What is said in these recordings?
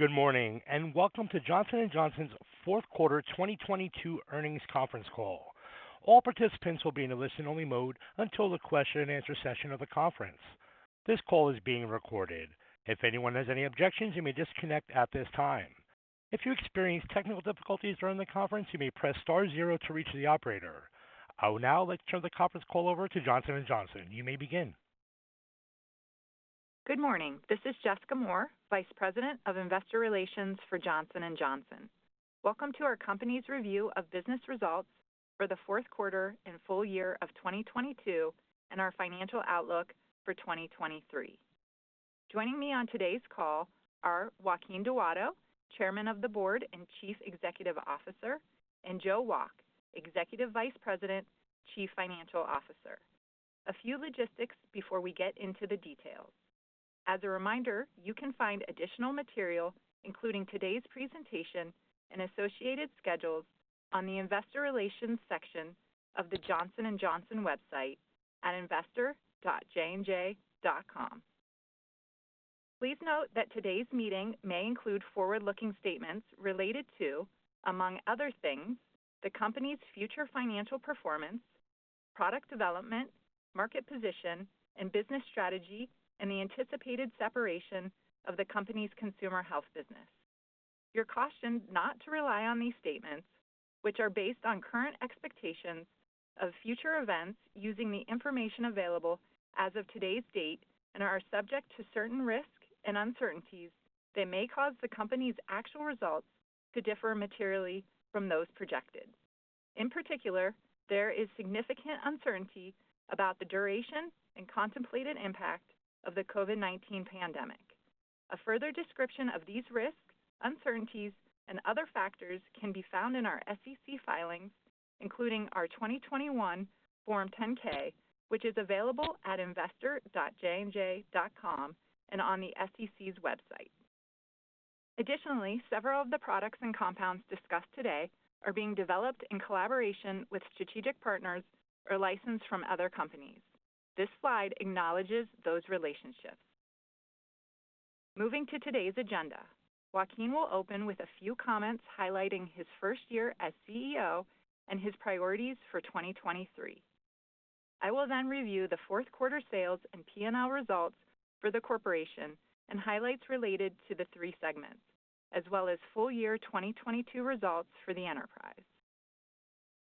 Good morning, and welcome to Johnson & Johnson's fourth quarter 2022 earnings conference call. All participants will be in a listen-only mode until the question-and-answer session of the conference. This call is being recorded. If anyone has any objections, you may disconnect at this time. If you experience technical difficulties during the conference, you may press star zero to reach the operator. I will now like to turn the conference call over to Johnson & Johnson. You may begin. Good morning. This is Jessica Moore, Vice President of Investor Relations for Johnson & Johnson. Welcome to our company's review of business results for the fourth quarter and full year of 2022 and our financial outlook for 2023. Joining me on today's call are Joaquin Duato, Chairman of the Board and Chief Executive Officer, and Joseph Wolk, Executive Vice President, Chief Financial Officer. A few logistics before we get into the details. As a reminder, you can find additional material, including today's presentation and associated schedules, on the investor relations section of the Johnson & Johnson website at investor.jnj.com. Please note that today's meeting may include forward-looking statements related to, among other things, the company's future financial performance, product development, market position, and business strategy, and the anticipated separation of the company's consumer health business. You're cautioned not to rely on these statements, which are based on current expectations of future events using the information available as of today's date and are subject to certain risks and uncertainties that may cause the company's actual results to differ materially from those projected. In particular, there is significant uncertainty about the duration and contemplated impact of the COVID-19 pandemic. A further description of these risks, uncertainties, and other factors can be found in our SEC filings, including our 2021 Form 10-K which is available at investor.jnj.com and on the SEC's website. Additionally, several of the products and compounds discussed today are being developed in collaboration with strategic partners or licensed from other companies. This slide acknowledges those relationships. Moving to today's agenda. Joaquin will open with a few comments highlighting his first year as CEO and his priorities for 2023. I will then review the fourth quarter sales and P&L results for the corporation and highlights related to the three segments, as well as full year 2022 results for the enterprise.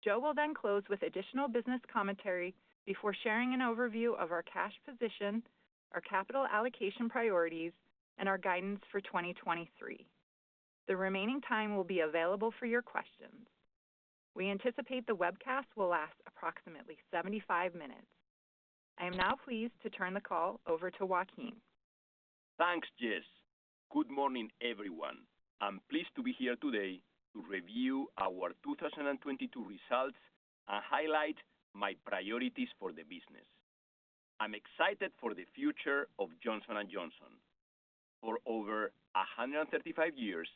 Joe will close with additional business commentary before sharing an overview of our cash position, our capital allocation priorities, and our guidance for 2023. The remaining time will be available for your questions. We anticipate the webcast will last approximately 75 minutes. I am now pleased to turn the call over to Joaquin. Thanks, Jess. Good morning, everyone. I'm pleased to be here today to review our 2022 results and highlight my priorities for the business. I'm excited for the future of Johnson & Johnson. For over 135 years,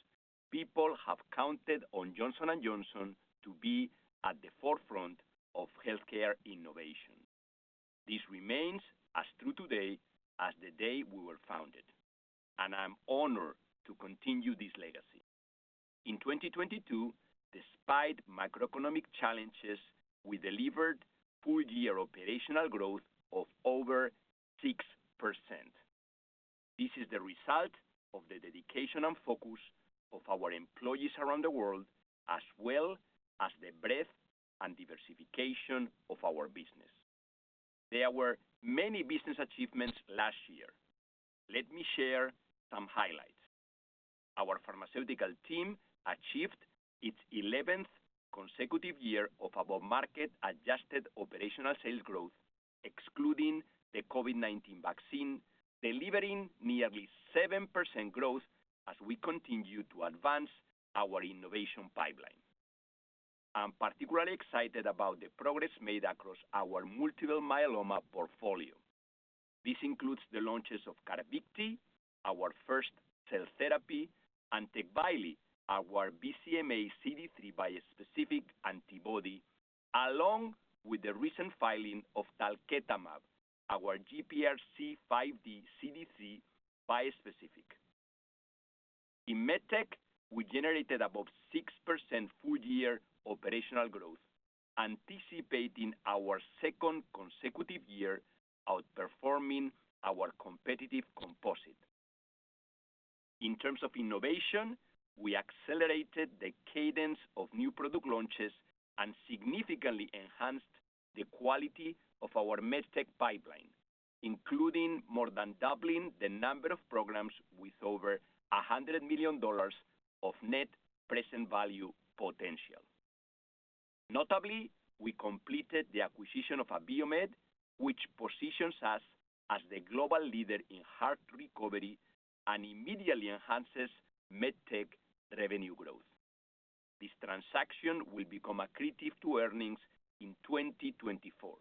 people have counted on Johnson & Johnson to be at the forefront of healthcare innovation. This remains as true today as the day we were founded, and I'm honored to continue this legacy. In 2022, despite macroeconomic challenges, we delivered full-year operational growth of over 6%. This is the result of the dedication and focus of our employees around the world, as well as the breadth and diversification of our business. There were many business achievements last year. Let me share some highlights. Our pharmaceutical team achieved its eleventh consecutive year of above-market adjusted operational sales growth, excluding the COVID-19 vaccine, delivering nearly 7% growth as we continue to advance our innovation pipeline. I'm particularly excited about the progress made across our multiple myeloma portfolio. This includes the launches of CARVYKTI, our first cell therapy, and TECVAYLI, our BCMA CD3 bispecific antibody, along with the recent filing of TALVEY, our GPRC5D CD3 bispecific. In MedTech, we generated above 6% full year operational growth, anticipating our second consecutive year outperforming our competitive composite. In terms of innovation, we accelerated the cadence of new product launches and significantly enhanced the quality of our MedTech pipeline, including more than doubling the number of programs with over $100 million of net present value potential. Notably, we completed the acquisition of Abiomed, which positions us as the global leader in heart recovery and immediately enhances MedTech revenue growth. This transaction will become accretive to earnings in 2024.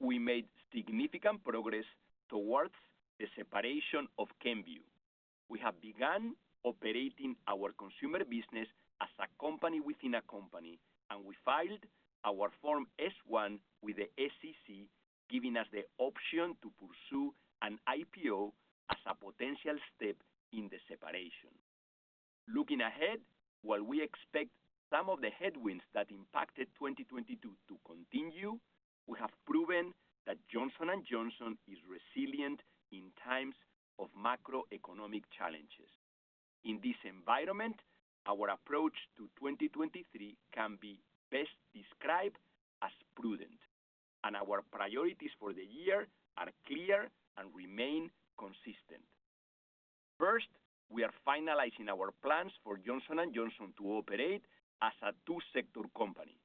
We made significant progress towards the separation of Kenvue. We have begun operating our consumer business as a company within a company, and we filed our Form S-1 with the SEC, giving us the option to pursue an IPO as a potential step in the separation. Looking ahead, while we expect some of the headwinds that impacted 2022 to continue, we have proven that Johnson & Johnson is resilient in times of macroeconomic challenges. In this environment, our approach to 2023 can be best described as prudent, and our priorities for the year are clear and remain consistent. First, we are finalizing our plans for Johnson & Johnson to operate as a two-sector company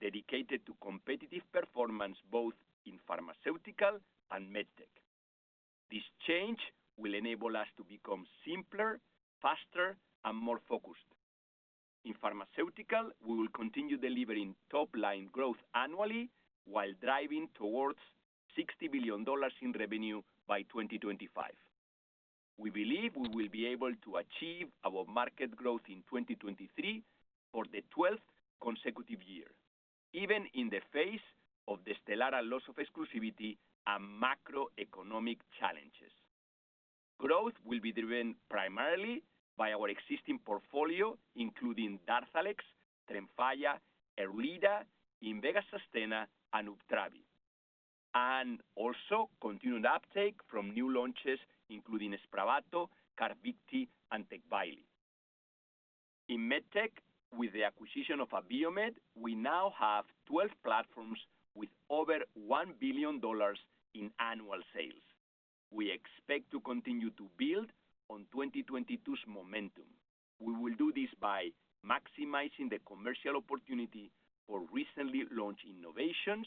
dedicated to competitive performance, both in Pharmaceutical and MedTech. This change will enable us to become simpler, faster, and more focused. In Pharmaceutical, we will continue delivering top-line growth annually while driving towards $60 billion in revenue by 2025. We believe we will be able to achieve our market growth in 2023 for the 12th consecutive year, even in the face of the STELARA loss of exclusivity and macroeconomic challenges. Growth will be driven primarily by our existing portfolio, including DARZALEX, TREMFYA, ERLEADA, INVEGA SUSTENNA, and UPTRAVI. Also continued uptake from new launches, including SPRAVATO, CARVYKTI, and TECVAYLI. In MedTech, with the acquisition of Abiomed, we now have 12 platforms with over $1 billion in annual sales. We expect to continue to build on 2022's momentum. We will do this by maximizing the commercial opportunity for recently launched innovations,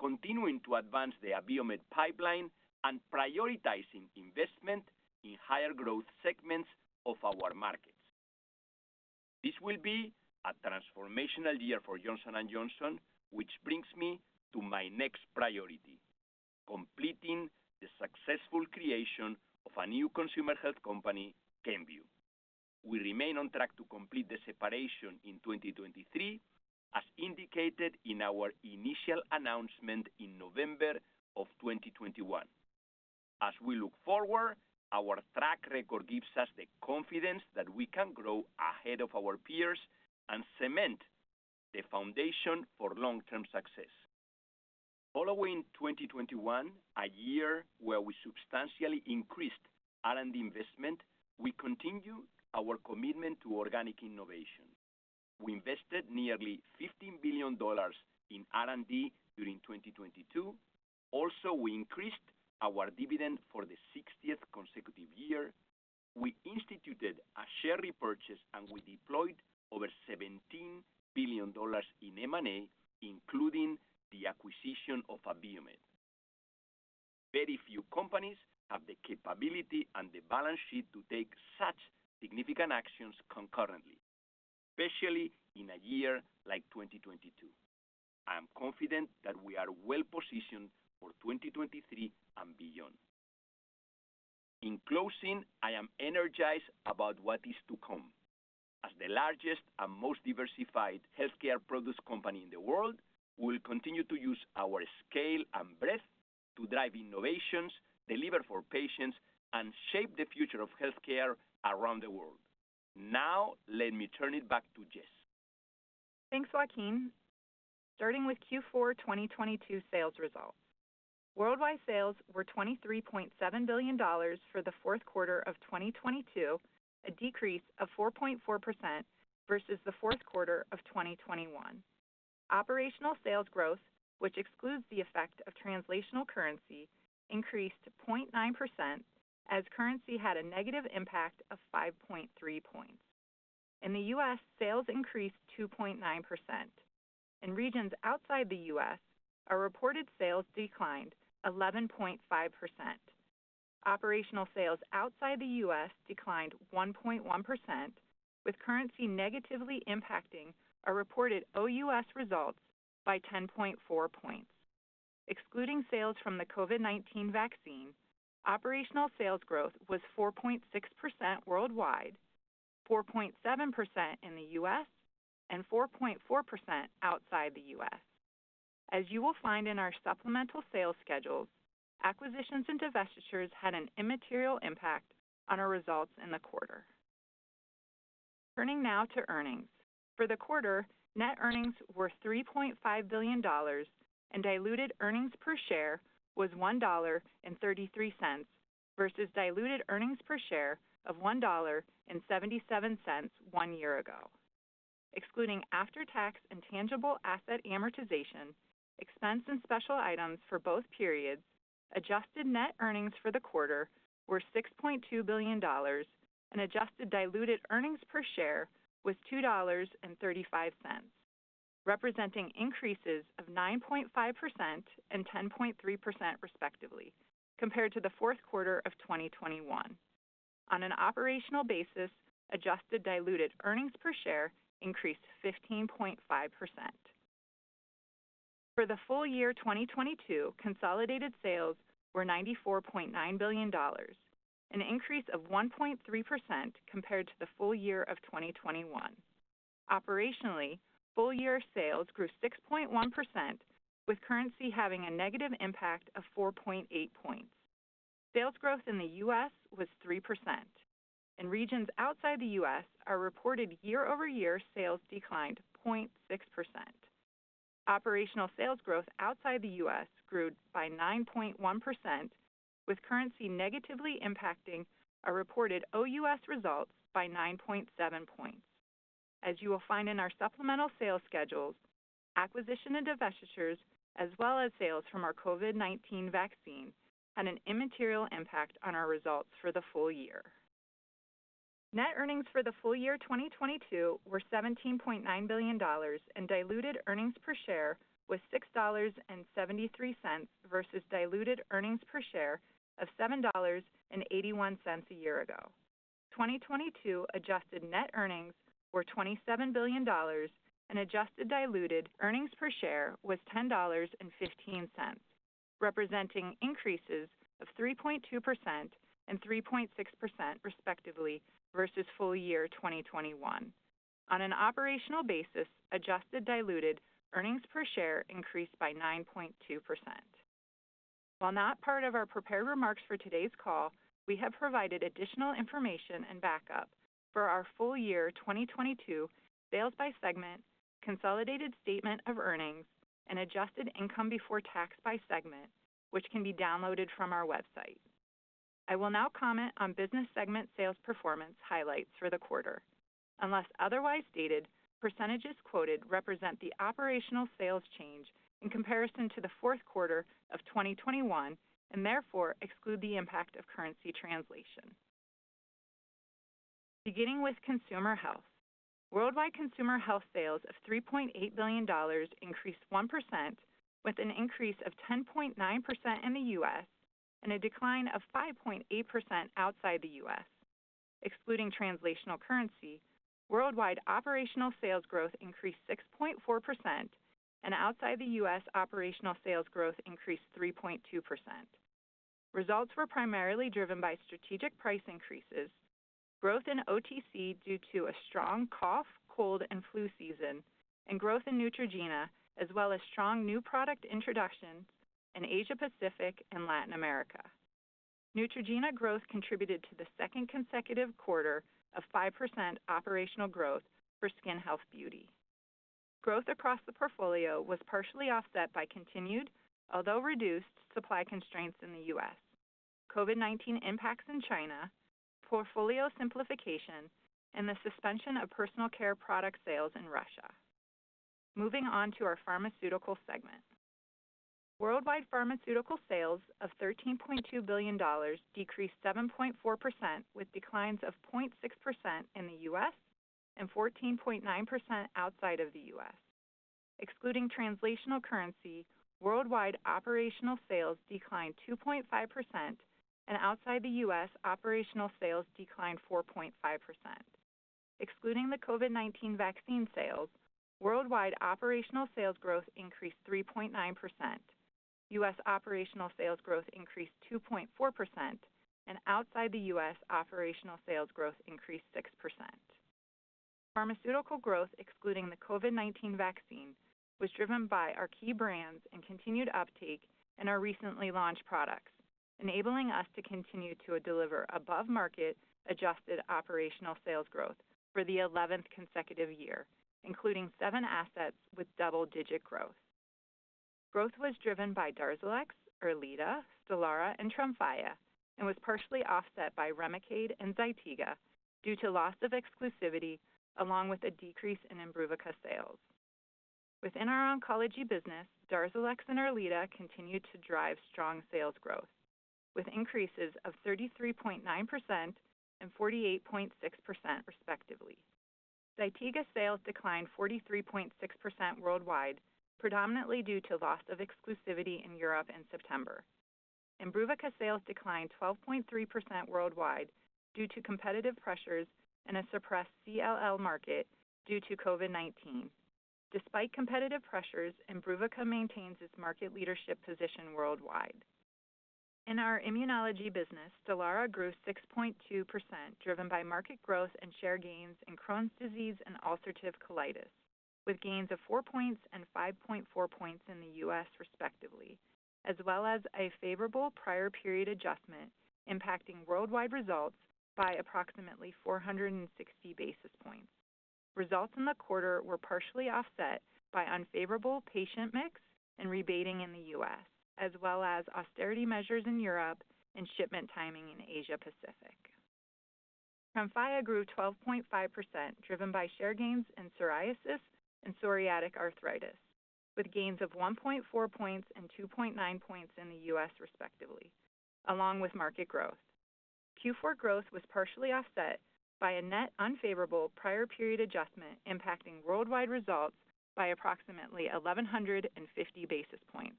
continuing to advance the Abiomed pipeline, and prioritizing investment in higher growth segments of our markets. This will be a transformational year for Johnson & Johnson, which brings me to my next priority. Completing the successful creation of a new consumer health company, Kenvue. We remain on track to complete the separation in 2023, as indicated in our initial announcement in November of 2021. We look forward, our track record gives us the confidence that we can grow ahead of our peers and cement the foundation for long-term success. Following 2021, a year where we substantially increased R&D investment, we continue our commitment to organic innovation. We invested nearly $15 billion in R&D during 2022. We increased our dividend for the 60th consecutive year. We instituted a share repurchase, we deployed over $17 billion in M&A, including the acquisition of Abiomed. Very few companies have the capability and the balance sheet to take such significant actions concurrently, especially in a year like 2022. I am confident that we are well positioned for 2023 and beyond. In closing, I am energized about what is to come. As the largest and most diversified healthcare products company in the world, we'll continue to use our scale and breadth to drive innovations, deliver for patients, and shape the future of healthcare around the world. Let me turn it back to Jess. Thanks, Joaquin. Starting with Q4 2022 sales results. Worldwide sales were $23.7 billion for the fourth quarter of 2022, a decrease of 4.4% versus the fourth quarter of 2021. Operational sales growth, which excludes the effect of translational currency, increased 0.9% as currency had a negative impact of 5.3 points. In the U.S., sales increased 2.9%. In regions outside the U.S., our reported sales declined 11.5%. Operational sales outside the U.S. declined 1.1%, with currency negatively impacting our reported OUS results by 10.4 points. Excluding sales from the COVID-19 vaccine, operational sales growth was 4.6% worldwide, 4.7% in the U.S., and 4.4% outside the U.S. As you will find in our supplemental sales schedules, acquisitions and divestitures had an immaterial impact on our results in the quarter. Turning now to earnings. For the quarter, net earnings were $3.5 billion and diluted earnings per share was $1.33 versus diluted earnings per share of $1.77 one year ago. Excluding after-tax and tangible asset amortization, expense, and special items for both periods, adjusted net earnings for the quarter were $6.2 billion and adjusted diluted earnings per share was $2.35, representing increases of 9.5% and 10.3% respectively, compared to the fourth quarter of 2021. On an operational basis, adjusted diluted earnings per share increased 15.5%. For the full year 2022, consolidated sales were $94.9 billion, an increase of 1.3% compared to the full year of 2021. Operationally, full year sales grew 6.1%, with currency having a negative impact of 4.8 points. Sales growth in the U.S. was 3%. In regions outside the U.S., our reported year-over-year sales declined 0.6%. Operational sales growth outside the U.S. grew by 9.1%, with currency negatively impacting our reported OUS results by 9.7 points. As you will find in our supplemental sales schedules, acquisition and divestitures, as well as sales from our COVID-19 vaccines, had an immaterial impact on our results for the full year. Net earnings for the full year 2022 were $17.9 billion, and diluted earnings per share was $6.73 versus diluted earnings per share of $7.81 a year ago. 2022 adjusted net earnings were $27 billion, and adjusted diluted earnings per share was $10.15, representing increases of 3.2% and 3.6% respectively versus full year 2021. On an operational basis, adjusted diluted earnings per share increased by 9.2%. While not part of our prepared remarks for today's call, we have provided additional information and backup for our full year 2022 sales by segment, consolidated statement of earnings, and adjusted income before tax by segment, which can be downloaded from our website. I will now comment on business segment sales performance highlights for the quarter. Unless otherwise stated, percentages quoted represent the operational sales change in comparison to the fourth quarter of 2021 and therefore exclude the impact of currency translation. Beginning with Consumer Health, worldwide Consumer Health sales of $3.8 billion increased 1%, with an increase of 10.9% in the U.S. and a decline of 5.8% outside the U.S. Excluding translational currency, worldwide operational sales growth increased 6.4%, and outside the U.S., operational sales growth increased 3.2%. Results were primarily driven by strategic price increases, growth in OTC due to a strong cough, cold, and flu season, and growth in Neutrogena, as well as strong new product introductions in Asia-Pacific and Latin America. Neutrogena growth contributed to the second consecutive quarter of 5% operational growth for skin health beauty. Growth across the portfolio was partially offset by continued, although reduced, supply constraints in the U.S., COVID-19 impacts in China, portfolio simplification, and the suspension of personal care product sales in Russia. Moving on to our Pharmaceutical segment. Worldwide pharmaceutical sales of $13.2 billion decreased 7.4%, with declines of 0.6% in the U.S. and 14.9% outside of the U.S. Excluding translational currency, worldwide operational sales declined 2.5%, and outside the U.S., operational sales declined 4.5%. Excluding the COVID-19 vaccine sales, worldwide operational sales growth increased 3.9%, U.S. operational sales growth increased 2.4%, and outside the U.S., operational sales growth increased 6%. Pharmaceutical growth, excluding the COVID-19 vaccine, was driven by our key brands and continued uptake in our recently launched products, enabling us to continue to deliver above-market adjusted operational sales growth for the 11th consecutive year, including seven assets with double-digit growth. Growth was driven by DARZALEX, ERLEADA, STELARA, and TREMFYA and was partially offset by REMICADE and ZYTIGA due to loss of exclusivity along with a decrease in IMBRUVICA sales. Within our Oncology business, DARZALEX and ERLEADA continued to drive strong sales growth, with increases of 33.9% and 48.6%, respectively. ZYTIGA sales declined 43.6% worldwide, predominantly due to loss of exclusivity in Europe in September. IMBRUVICA sales declined 12.3% worldwide due to competitive pressures and a suppressed CLL market due to COVID-19. Despite competitive pressures, IMBRUVICA maintains its market leadership position worldwide. In our Immunology business, STELARA grew 6.2%, driven by market growth and share gains in Crohn's disease and ulcerative colitis, with gains of four points and 5.4 points in the U.S., respectively, as well as a favorable prior period adjustment impacting worldwide results by approximately 460 basis points. Results in the quarter were partially offset by unfavorable patient mix and rebating in the U.S., as well as austerity measures in Europe and shipment timing in Asia-Pacific. TREMFYA grew 12.5%, driven by share gains in psoriasis and psoriatic arthritis, with gains of 1.4 points and 2.9 points in the U.S., respectively, along with market growth. Q4 growth was partially offset by a net unfavorable prior period adjustment impacting worldwide results by approximately 1,150 basis points.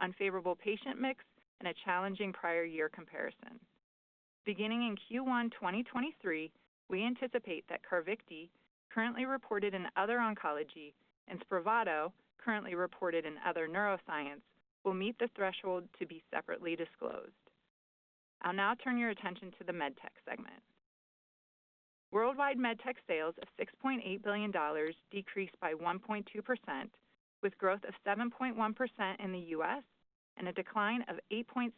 Unfavorable patient mix, and a challenging prior year comparison. Beginning in Q1 2023, we anticipate that CARVYKTI, currently reported in other oncology, and SPRAVATO, currently reported in other neuroscience, will meet the threshold to be separately disclosed. I'll now turn your attention to the MedTech segment. Worldwide MedTech sales of $6.8 billion decreased by 1.2% with growth of 7.1% in the U.S. and a decline of 8.6%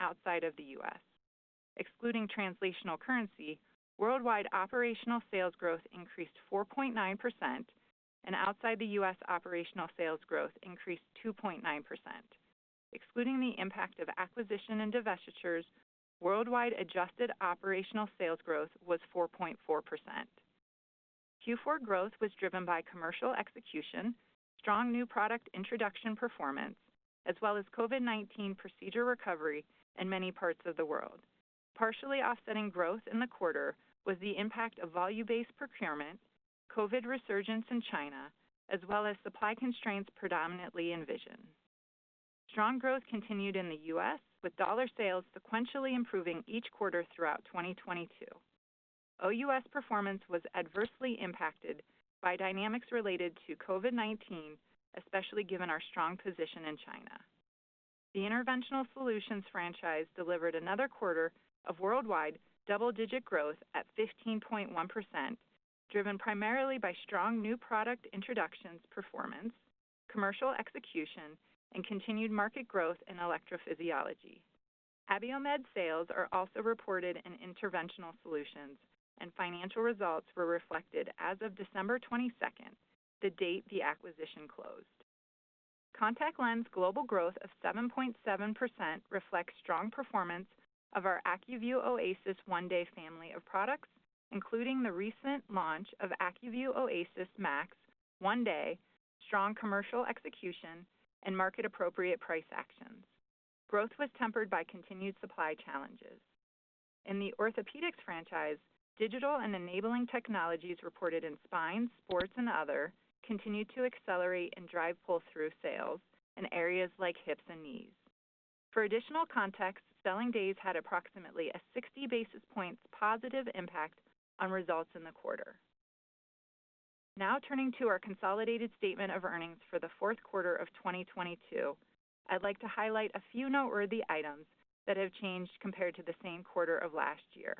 outside of the U.S. Excluding translational currency, worldwide operational sales growth increased 4.9% and outside the U.S., operational sales growth increased 2.9%. Excluding the impact of acquisition and divestitures, worldwide adjusted operational sales growth was 4.4%. Q4 growth was driven by commercial execution, strong new product introduction performance, as well as COVID-19 procedure recovery in many parts of the world. Partially offsetting growth in the quarter was the impact of value-based procurement, COVID resurgence in China, as well as supply constraints predominantly in vision. Strong growth continued in the U.S. with dollar sales sequentially improving each quarter throughout 2022. OUS performance was adversely impacted by dynamics related to COVID-19, especially given our strong position in China. The Interventional Solutions franchise delivered another quarter of worldwide double-digit growth at 15.1%, driven primarily by strong new product introductions performance, commercial execution, and continued market growth in electrophysiology. Abiomed sales are also reported in Interventional Solutions, and financial results were reflected as of December 22, the date the acquisition closed. Contact Lens global growth of 7.7% reflects strong performance of our ACUVUE OASYS 1-Day family of products, including the recent launch of ACUVUE OASYS MAX 1-Day, strong commercial execution, and market-appropriate price actions. Growth was tempered by continued supply challenges. In the Orthopedics franchise, digital and enabling technologies reported in spine, sports, and other continued to accelerate and drive pull-through sales in areas like hips and knees. For additional context, selling days had approximately a 60 basis points positive impact on results in the quarter. Turning to our consolidated statement of earnings for the fourth quarter of 2022. I'd like to highlight a few noteworthy items that have changed compared to the same quarter of last year.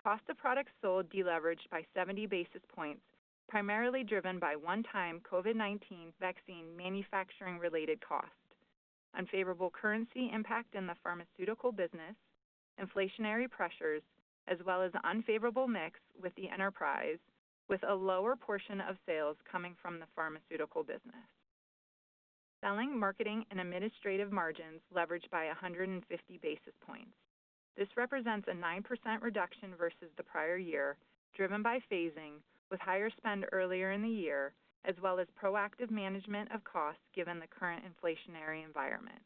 Cost of products sold deleveraged by 70 basis points, primarily driven by one-time COVID-19 vaccine manufacturing-related costs, unfavorable currency impact in the pharmaceutical business, inflationary pressures, as well as unfavorable mix with the enterprise with a lower portion of sales coming from the pharmaceutical business. Selling, marketing, and administrative margins leveraged by 150 basis points. This represents a 9% reduction versus the prior year, driven by phasing with higher spend earlier in the year, as well as proactive management of costs given the current inflationary environment.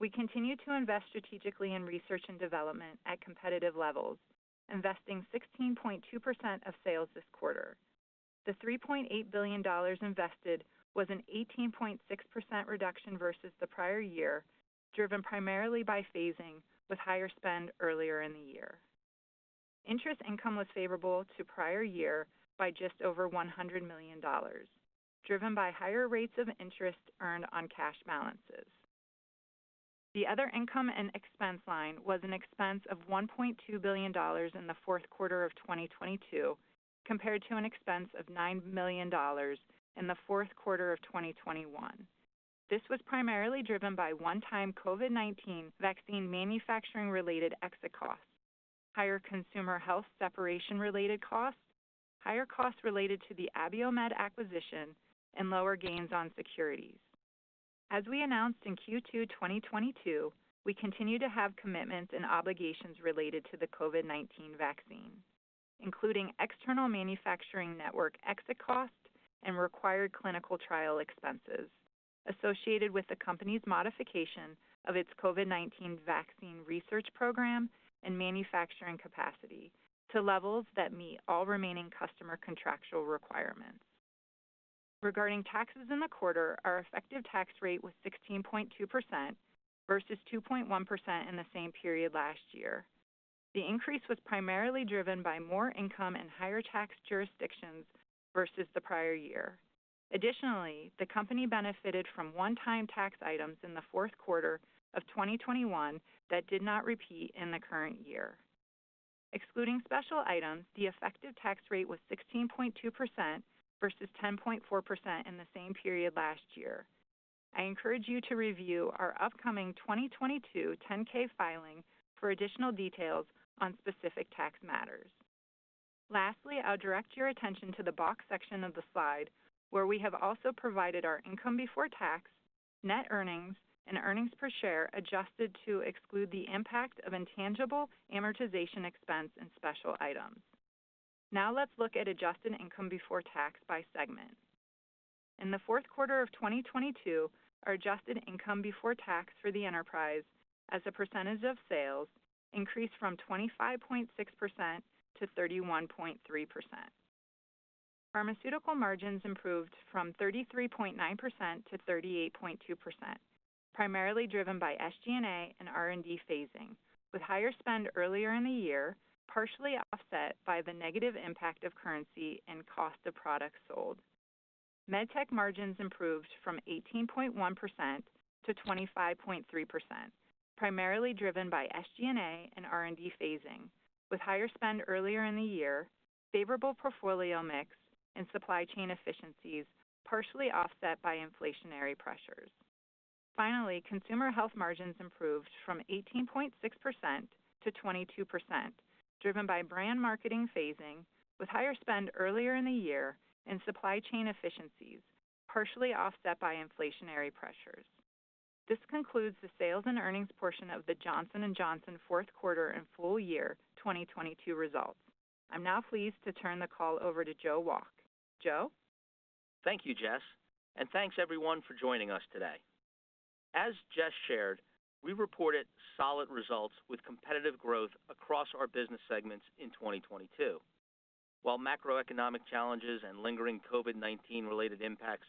We continue to invest strategically in research and development at competitive levels, investing 16.2% of sales this quarter. The $3.8 billion invested was an 18.6% reduction versus the prior year, driven primarily by phasing with higher spend earlier in the year. Interest income was favorable to prior year by just over $100 million, driven by higher rates of interest earned on cash balances. The other income and expense line was an expense of $1.2 billion in the fourth quarter of 2022, compared to an expense of $9 million in the fourth quarter of 2021. This was primarily driven by one-time COVID-19 vaccine manufacturing-related exit costs, higher consumer health separation-related costs, higher costs related to the Abiomed acquisition, and lower gains on securities. As we announced in Q2 2022, we continue to have commitments and obligations related to the COVID-19 vaccine, including external manufacturing network exit costs and required clinical trial expenses associated with the company's modification of its COVID-19 vaccine research program and manufacturing capacity to levels that meet all remaining customer contractual requirements. Regarding taxes in the quarter, our effective tax rate was 16.2% versus 2.1% in the same period last year. The increase was primarily driven by more income and higher tax jurisdictions versus the prior year. Additionally, the company benefited from one-time tax items in the fourth quarter of 2021 that did not repeat in the current year. Excluding special items, the effective tax rate was 16.2% versus 10.4% in the same period last year. I encourage you to review our upcoming 2022 10-K filing for additional details on specific tax matters. Lastly, I'll direct your attention to the box section of the slide where we have also provided our income before tax, net earnings, and earnings per share adjusted to exclude the impact of intangible amortization expense and special items. Now let's look at adjusted income before tax by segment. In the fourth quarter of 2022, our adjusted income before tax for the enterprise as a percentage of sales increased from 25.6% to 31.3%. Pharmaceutical margins improved from 33.9% to 38.2%, primarily driven by SG&A and R&D phasing, with higher spend earlier in the year, partially offset by the negative impact of currency and cost of products sold. MedTech margins improved from 18.1% to 25.3%, primarily driven by SG&A and R&D phasing, with higher spend earlier in the year, favorable portfolio mix and supply chain efficiencies partially offset by inflationary pressures. Finally, Consumer Health margins improved from 18.6% to 22%, driven by brand marketing phasing with higher spend earlier in the year and supply chain efficiencies partially offset by inflationary pressures. This concludes the sales and earnings portion of the Johnson & Johnson fourth quarter and full year 2022 results. I'm now pleased to turn the call over to Joseph Wolk. Joe? Thank you, Jess, and thanks everyone for joining us today. As Jess shared, we reported solid results with competitive growth across our business segments in 2022. While macroeconomic challenges and lingering COVID-19 related impacts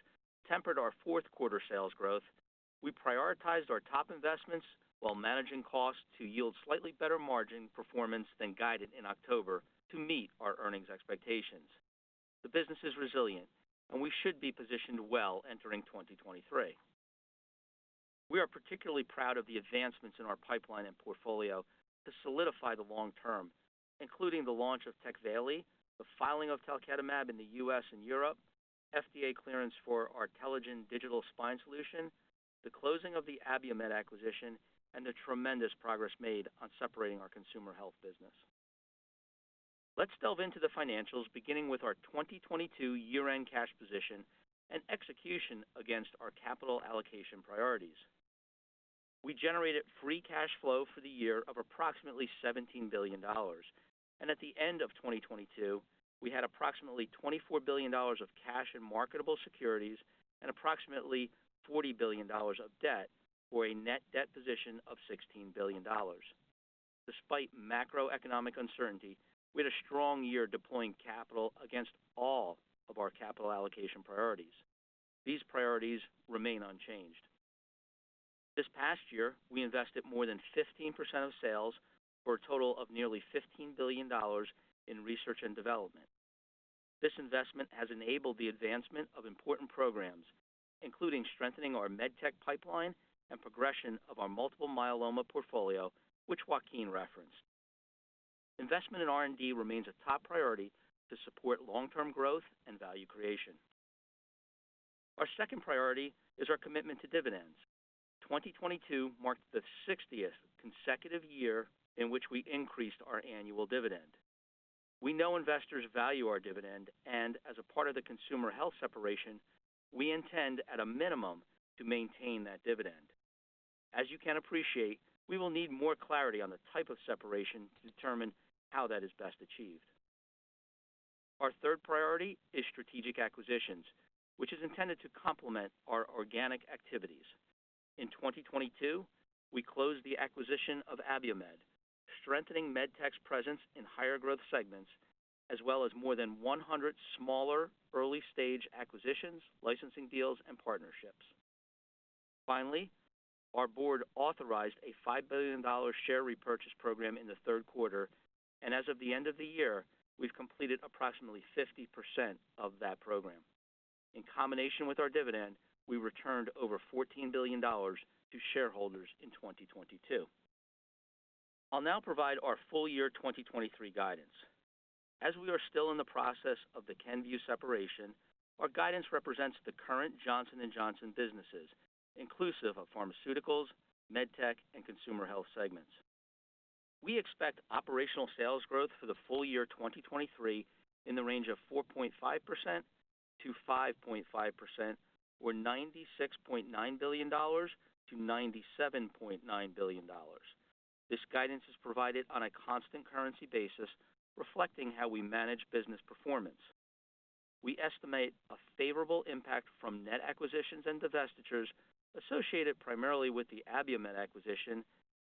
tempered our fourth quarter sales growth, we prioritized our top investments while managing costs to yield slightly better margin performance than guided in October to meet our earnings expectations. The business is resilient and we should be positioned well entering 2023. We are particularly proud of the advancements in our pipeline and portfolio to solidify the long term, including the launch of TECVAYLI, the filing of talquetamab in the U.S. and Europe, FDA clearance for our Intelligent Digital Spine solution, the closing of the Abiomed acquisition, and the tremendous progress made on separating our Consumer Health business. Let's delve into the financials, beginning with our 2022 year-end cash position and execution against our capital allocation priorities. We generated free cash flow for the year of approximately $17 billion. At the end of 2022, we had approximately $24 billion of cash and marketable securities and approximately $40 billion of debt for a net debt position of $16 billion. Despite macroeconomic uncertainty, we had a strong year deploying capital against all of our capital allocation priorities. These priorities remain unchanged. This past year, we invested more than 15% of sales for a total of nearly $15 billion in research and development. This investment has enabled the advancement of important programs, including strengthening our MedTech pipeline and progression of our multiple myeloma portfolio, which Joaquin referenced. Investment in R&D remains a top priority to support long-term growth and value creation. Our second priority is our commitment to dividends. 2022 marked the 60th consecutive year in which we increased our annual dividend. We know investors value our dividend, and as a part of the consumer health separation, we intend at a minimum to maintain that dividend. As you can appreciate, we will need more clarity on the type of separation to determine how that is best achieved. Our third priority is strategic acquisitions, which is intended to complement our organic activities. In 2022, we closed the acquisition of Abiomed, strengthening MedTech's presence in higher growth segments, as well as more than 100 smaller early-stage acquisitions, licensing deals and partnerships. Finally, our board authorized a $5 billion share repurchase program in the third quarter, and as of the end of the year, we've completed approximately 50% of that program. In combination with our dividend, we returned over $14 billion to shareholders in 2022. I'll now provide our full year 2023 guidance. As we are still in the process of the Kenvue separation, our guidance represents the current Johnson & Johnson businesses, inclusive of Pharmaceuticals, MedTech and Consumer Health segments. We expect operational sales growth for the full year 2023 in the range of 4.5%-5.5% or $96.9 billion-$97.9 billion. This guidance is provided on a constant currency basis, reflecting how we manage business performance. We estimate a favorable impact from net acquisitions and divestitures associated primarily with the Abiomed acquisition,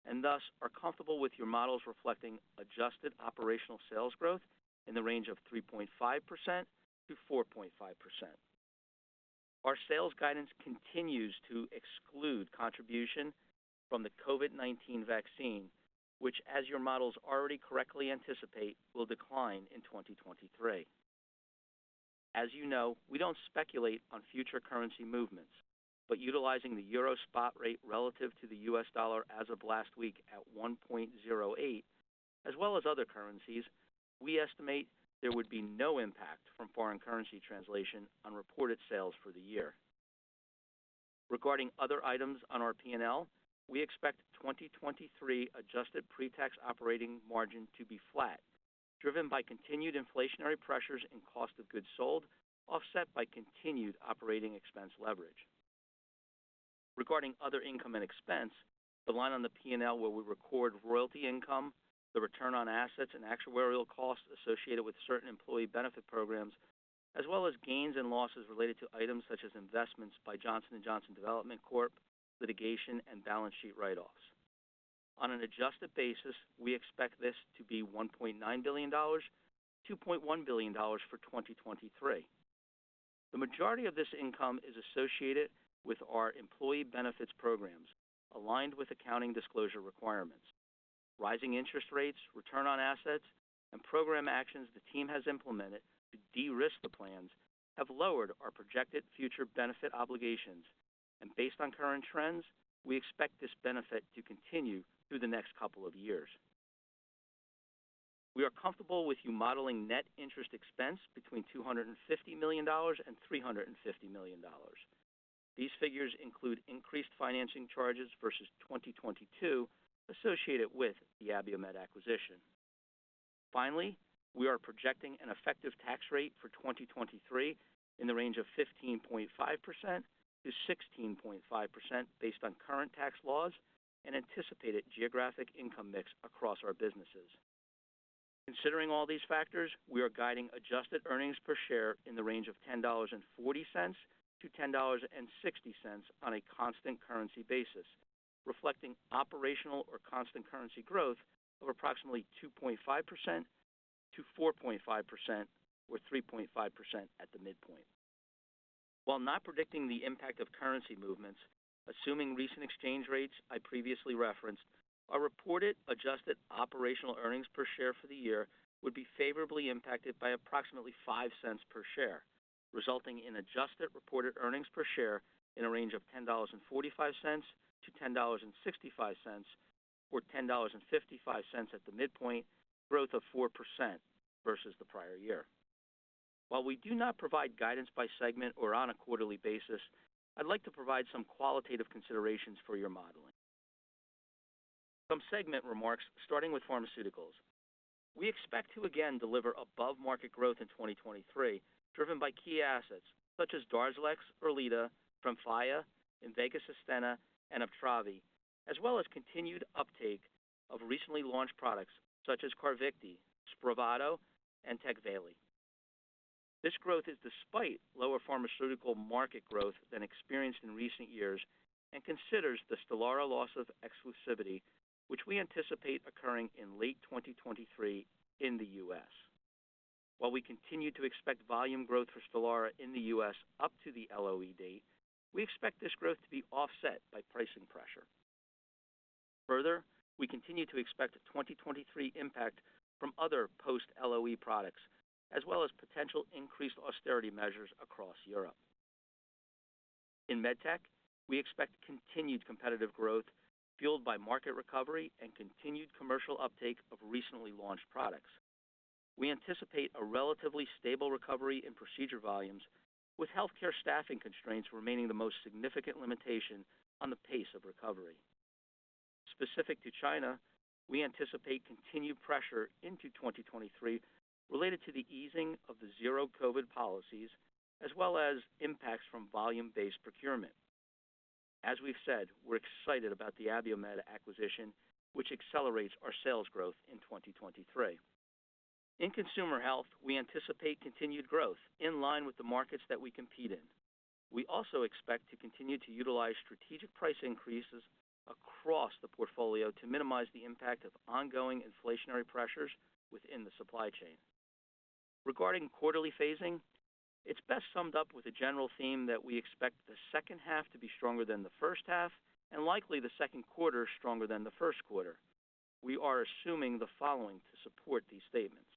and thus are comfortable with your models reflecting adjusted operational sales growth in the range of 3.5%-4.5%. Our sales guidance continues to exclude contribution from the COVID-19 vaccine, which, as your models already correctly anticipate, will decline in 2023. As you know, we don't speculate on future currency movements, but utilizing the euro spot rate relative to the U.S. dollar as of last week at 1.08, as well as other currencies, we estimate there would be no impact from foreign currency translation on reported sales for the year. Regarding other items on our P&L, we expect 2023 adjusted pre-tax operating margin to be flat, driven by continued inflationary pressures and cost of goods sold, offset by continued operating expense leverage. Regarding other income and expense, the line on the P&L where we record royalty income, the return on assets, and actuarial costs associated with certain employee benefit programs, as well as gains and losses related to items such as investments by Johnson & Johnson Development Corp, litigation and balance sheet write-offs. On an adjusted basis, we expect this to be $1.9 billion, $2.1 billion for 2023. The majority of this income is associated with our employee benefits programs aligned with accounting disclosure requirements. Rising interest rates, return on assets, and program actions the team has implemented to de-risk the plans have lowered our projected future benefit obligations. Based on current trends, we expect this benefit to continue through the next couple of years. We are comfortable with you modeling net interest expense between $250 million and $350 million. These figures include increased financing charges versus 2022 associated with the Abiomed acquisition. Finally, we are projecting an effective tax rate for 2023 in the range of 15.5%-16.5% based on current tax laws and anticipated geographic income mix across our businesses. Considering all these factors, we are guiding adjusted earnings per share in the range of $10.40-$10.60 on a constant currency basis, reflecting operational or constant currency growth of approximately 2.5%-4.5%, or 3.5% at the midpoint. While not predicting the impact of currency movements, assuming recent exchange rates I previously referenced, our reported adjusted operational earnings per share for the year would be favorably impacted by approximately $0.05 per share, resulting in adjusted reported earnings per share in a range of $10.45 to $10.65, or $10.55 at the midpoint, growth of 4% versus the prior year. While we do not provide guidance by segment or on a quarterly basis, I'd like to provide some qualitative considerations for your modeling. Some segment remarks starting with pharmaceuticals. We expect to again deliver above-market growth in 2023, driven by key assets such as DARZALEX, ERLEADA, TREMFYA, INVEGA SUSTENNA, and UPTRAVI, as well as continued uptake of recently launched products such as CARVYKTI, SPRAVATO, and TECVAYLI. This growth is despite lower pharmaceutical market growth than experienced in recent years and considers the STELARA loss of exclusivity, which we anticipate occurring in late 2023 in the US. While we continue to expect volume growth for STELARA in the U.S. up to the LOE date, we expect this growth to be offset by pricing pressure. We continue to expect a 2023 impact from other post-LOE products as well as potential increased austerity measures across Europe. In MedTech, we expect continued competitive growth fueled by market recovery and continued commercial uptake of recently launched products. We anticipate a relatively stable recovery in procedure volumes, with healthcare staffing constraints remaining the most significant limitation on the pace of recovery. Specific to China, we anticipate continued pressure into 2023 related to the easing of the zero COVID policies as well as impacts from volume-based procurement. As we've said, we're excited about the Abiomed acquisition, which accelerates our sales growth in 2023. In Consumer Health, we anticipate continued growth in line with the markets that we compete in. We also expect to continue to utilize strategic price increases across the portfolio to minimize the impact of ongoing inflationary pressures within the supply chain. Regarding quarterly phasing, it's best summed up with a general theme that we expect the second half to be stronger than the first half and likely the second quarter stronger than the first quarter. We are assuming the following to support these statements.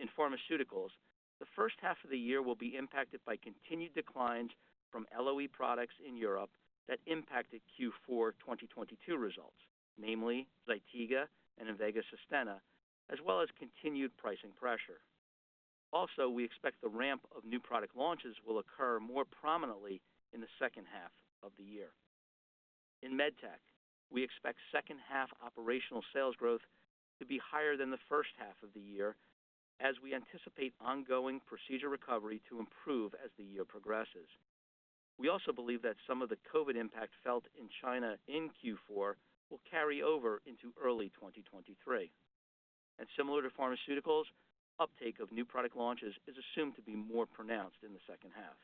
In pharmaceuticals, the first half of the year will be impacted by continued declines from LOE products in Europe that impacted Q4 2022 results, namely ZYTIGA and INVEGA SUSTENNA, as well as continued pricing pressure. Also, we expect the ramp of new product launches will occur more prominently in the second half of the year. In MedTech, we expect second half operational sales growth to be higher than the first half of the year as we anticipate ongoing procedure recovery to improve as the year progresses. We also believe that some of the COVID impact felt in China in Q4 will carry over into early 2023. Similar to pharmaceuticals, uptake of new product launches is assumed to be more pronounced in the second half.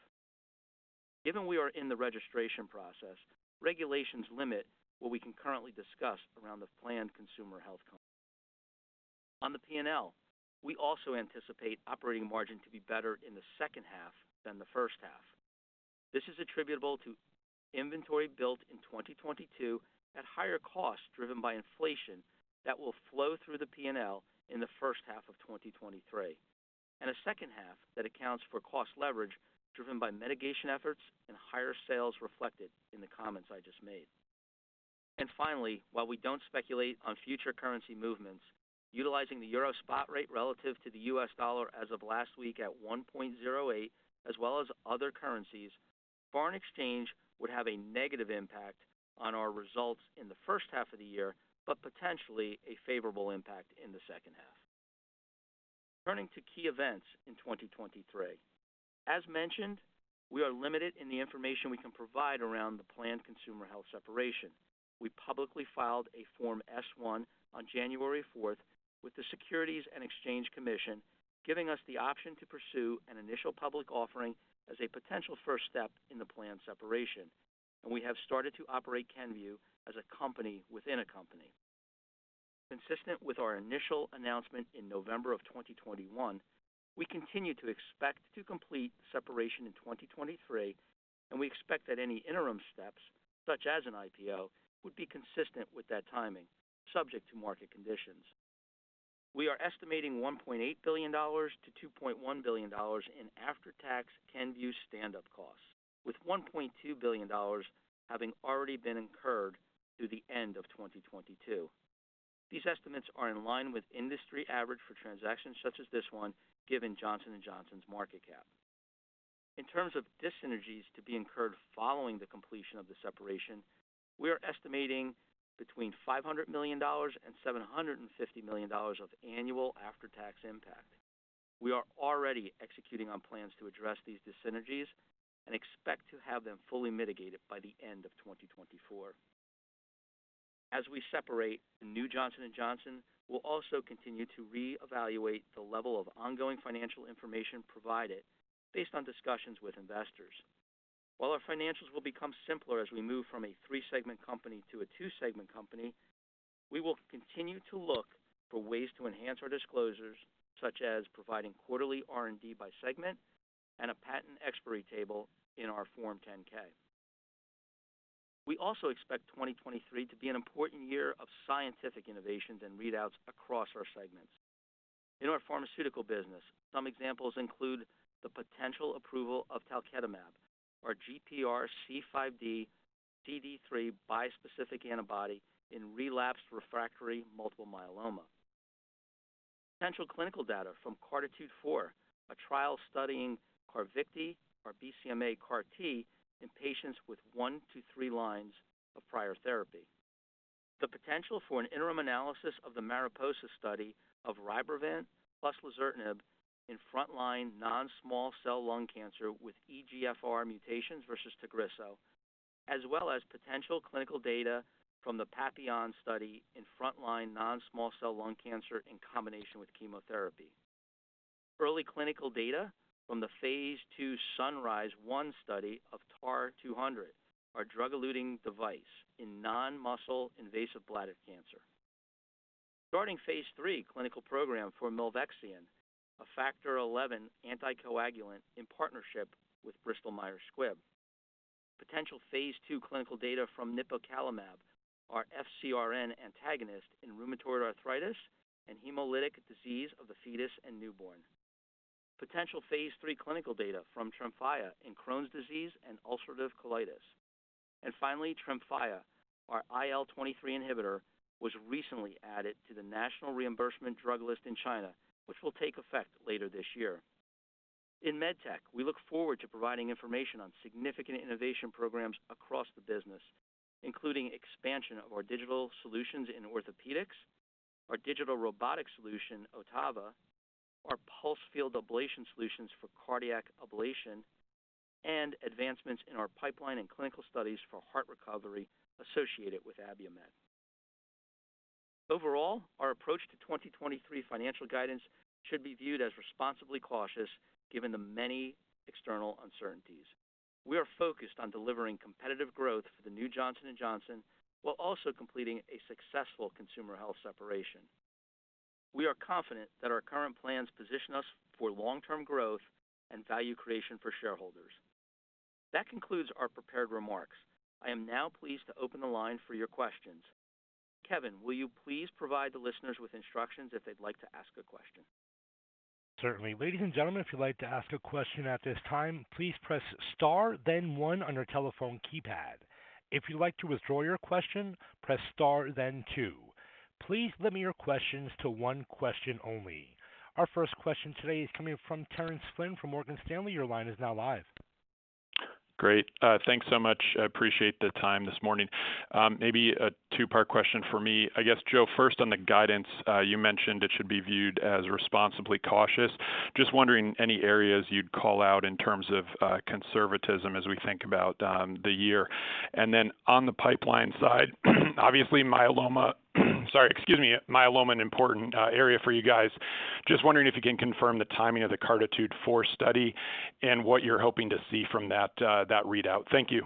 Given we are in the registration process, regulations limit what we can currently discuss around the planned consumer health company. On the P&L, we also anticipate operating margin to be better in the second half than the first half. This is attributable to inventory built in 2022 at higher costs driven by inflation that will flow through the P&L in the first half of 2023, and a second half that accounts for cost leverage driven by mitigation efforts and higher sales reflected in the comments I just made. Finally, while we don't speculate on future currency movements, utilizing the euro spot rate relative to the U.S. dollar as of last week at 1.08, as well as other currencies, foreign exchange would have a negative impact on our results in the first half of the year, but potentially a favorable impact in the second half. Turning to key events in 2023. As mentioned, we are limited in the information we can provide around the planned consumer health separation. We publicly filed a Form S-1 on January 4th with the Securities and Exchange Commission, giving us the option to pursue an initial public offering as a potential first step in the planned separation, and we have started to operate Kenvue as a company within a company. Consistent with our initial announcement in November 2021, we continue to expect to complete separation in 2023, and we expect that any interim steps, such as an IPO, would be consistent with that timing subject to market conditions. We are estimating $1.8 billion-$2.1 billion in after-tax Kenvue standup costs, with $1.2 billion having already been incurred through the end of 2022. These estimates are in line with industry average for transactions such as this one, given Johnson & Johnson's market cap. In terms of dyssynergies to be incurred following the completion of the separation, we are estimating between $500 million and $750 million of annual after-tax impact. We are already executing on plans to address these dyssynergies and expect to have them fully mitigated by the end of 2024. As we separate, the new Johnson & Johnson will also continue to reevaluate the level of ongoing financial information provided based on discussions with investors. While our financials will become simpler as we move from a three-segment company to a two-segment company, we will continue to look for ways to enhance our disclosures, such as providing quarterly R&D by segment and a patent expiry table in our Form 10-K. We also expect 2023 to be an important year of scientific innovations and readouts across our segments. In our pharmaceutical business, some examples include the potential approval of talquetamab, our GPRC5D CD3 bispecific antibody in relapsed refractory multiple myeloma. Potential clinical data from CARTITUDE-4, a trial studying CARVYKTI, our BCMA CAR T in patients with one to three lines of prior therapy. The potential for an interim analysis of the MARIPOSA study of RYBREVANT plus lazertinib in frontline non-small cell lung cancer with EGFR mutations versus TAGRISSO, as well as potential clinical data from the PAPILLON study in frontline non-small cell lung cancer in combination with chemotherapy. Early clinical data from the phase II SunRISe-1 study of TAR-200, our drug-eluting device in non-muscle invasive bladder cancer. Starting phase III clinical program for Milvexian, a factor 11 anticoagulant in partnership with Bristol Myers Squibb. Potential phase II clinical data from Nipocalimab, our FcRn antagonist in rheumatoid arthritis and hemolytic disease of the fetus and newborn. Potential phase III clinical data from TREMFYA in Crohn's disease and ulcerative colitis. Finally, TREMFYA, our IL-23 inhibitor, was recently added to the National Reimbursement Drug List in China, which will take effect later this year. In MedTech, we look forward to providing information on significant innovation programs across the business, including expansion of our digital solutions in orthopedics, our digital robotic solution, Ottava, our pulse field ablation solutions for cardiac ablation, and advancements in our pipeline and clinical studies for heart recovery associated with Abiomed. Overall, our approach to 2023 financial guidance should be viewed as responsibly cautious given the many external uncertainties. We are focused on delivering competitive growth for the new Johnson & Johnson while also completing a successful consumer health separation. We are confident that our current plans position us for long-term growth and value creation for shareholders. That concludes our prepared remarks. I am now pleased to open the line for your questions. Kevin, will you please provide the listeners with instructions if they'd like to ask a question? Certainly. Ladies and gentlemen, if you'd like to ask a question at this time, please press star then one on your telephone keypad. If you'd like to withdraw your question, press star then two. Please limit your questions to one question only. Our first question today is coming from Terence Flynn from Morgan Stanley. Your line is now live. Great. Thanks so much. I appreciate the time this morning. Maybe a two-part question for me. I guess, Joe, first on the guidance, you mentioned it should be viewed as responsibly cautious. Just wondering any areas you'd call out in terms of conservatism as we think about the year. On the pipeline side obviously, sorry, excuse me. Myeloma, an important area for you guys. Just wondering if you can confirm the timing of the CARTITUDE-4 study and what you're hoping to see from that readout. Thank you.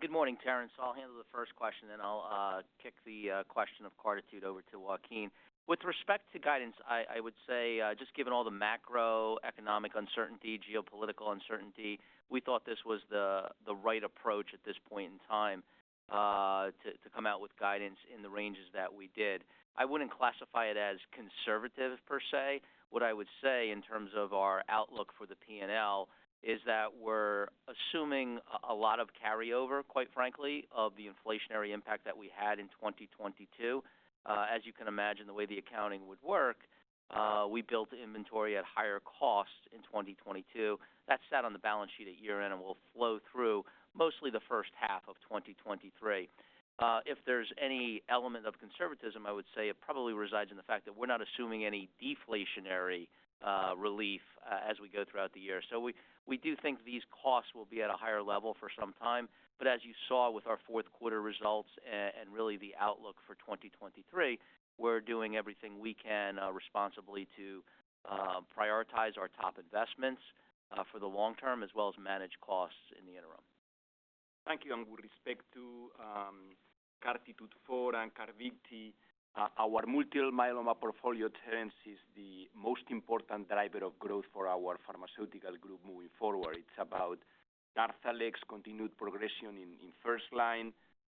Good morning, Terence. I'll handle the first question then I'll kick the question of CARTITUDE over to Joaquin. With respect to guidance, I would say just given all the macroeconomic uncertainty, geopolitical uncertainty, we thought this was the right approach at this point in time to come out with guidance in the ranges that we did. I wouldn't classify it as conservative per se. What I would say in terms of our outlook for the P&L is that we're assuming a lot of carryover, quite frankly, of the inflationary impact that we had in 2022. As you can imagine, the way the accounting would work, we built inventory at higher cost in 2022. That sat on the balance sheet at year-end and will flow through mostly the first half of 2023. If there's any element of conservatism, I would say it probably resides in the fact that we're not assuming any deflationary relief as we go throughout the year. We do think these costs will be at a higher level for some time. As you saw with our fourth quarter results and really the outlook for 2023, we're doing everything we can responsibly to prioritize our top investments for the long term as well as manage costs in the interim. Thank you. And with respect to CARTITUDE-4 and CARVYKTI, our multiple myeloma portfolio, Terence, is the most important driver of growth for our pharmaceutical group moving forward. It's about DARZALEX continued progression in first line,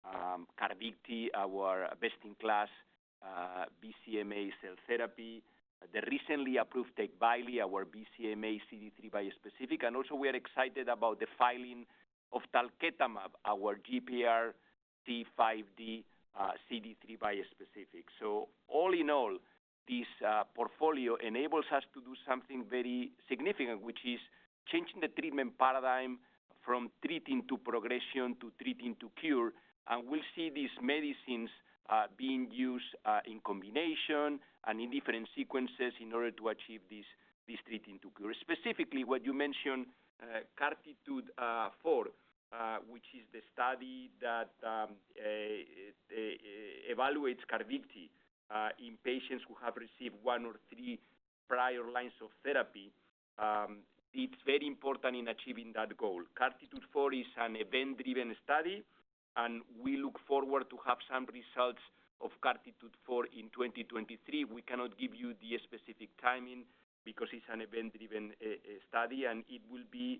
CARVYKTI, our best-in-class BCMA cell therapy, the recently approved TECVAYLI, our BCMA CD3 bispecific, and also we are excited about the filing of TALVEY, our GPRC5D CD3 bispecific. All in all, this portfolio enables us to do something very significant, which is changing the treatment paradigm from treating to progression to treating to cure. We'll see these medicines being used in combination and in different sequences in order to achieve this treating to cure. Specifically what you mentioned, CARTITUDE-4, which is the study that evaluates CARVYKTI in patients who have received one or three prior lines of therapy. It's very important in achieving that goal. CARTITUDE-4 is an event-driven study. We look forward to have some results of CARTITUDE-4 in 2023. We cannot give you the specific timing because it's an event-driven study. It will be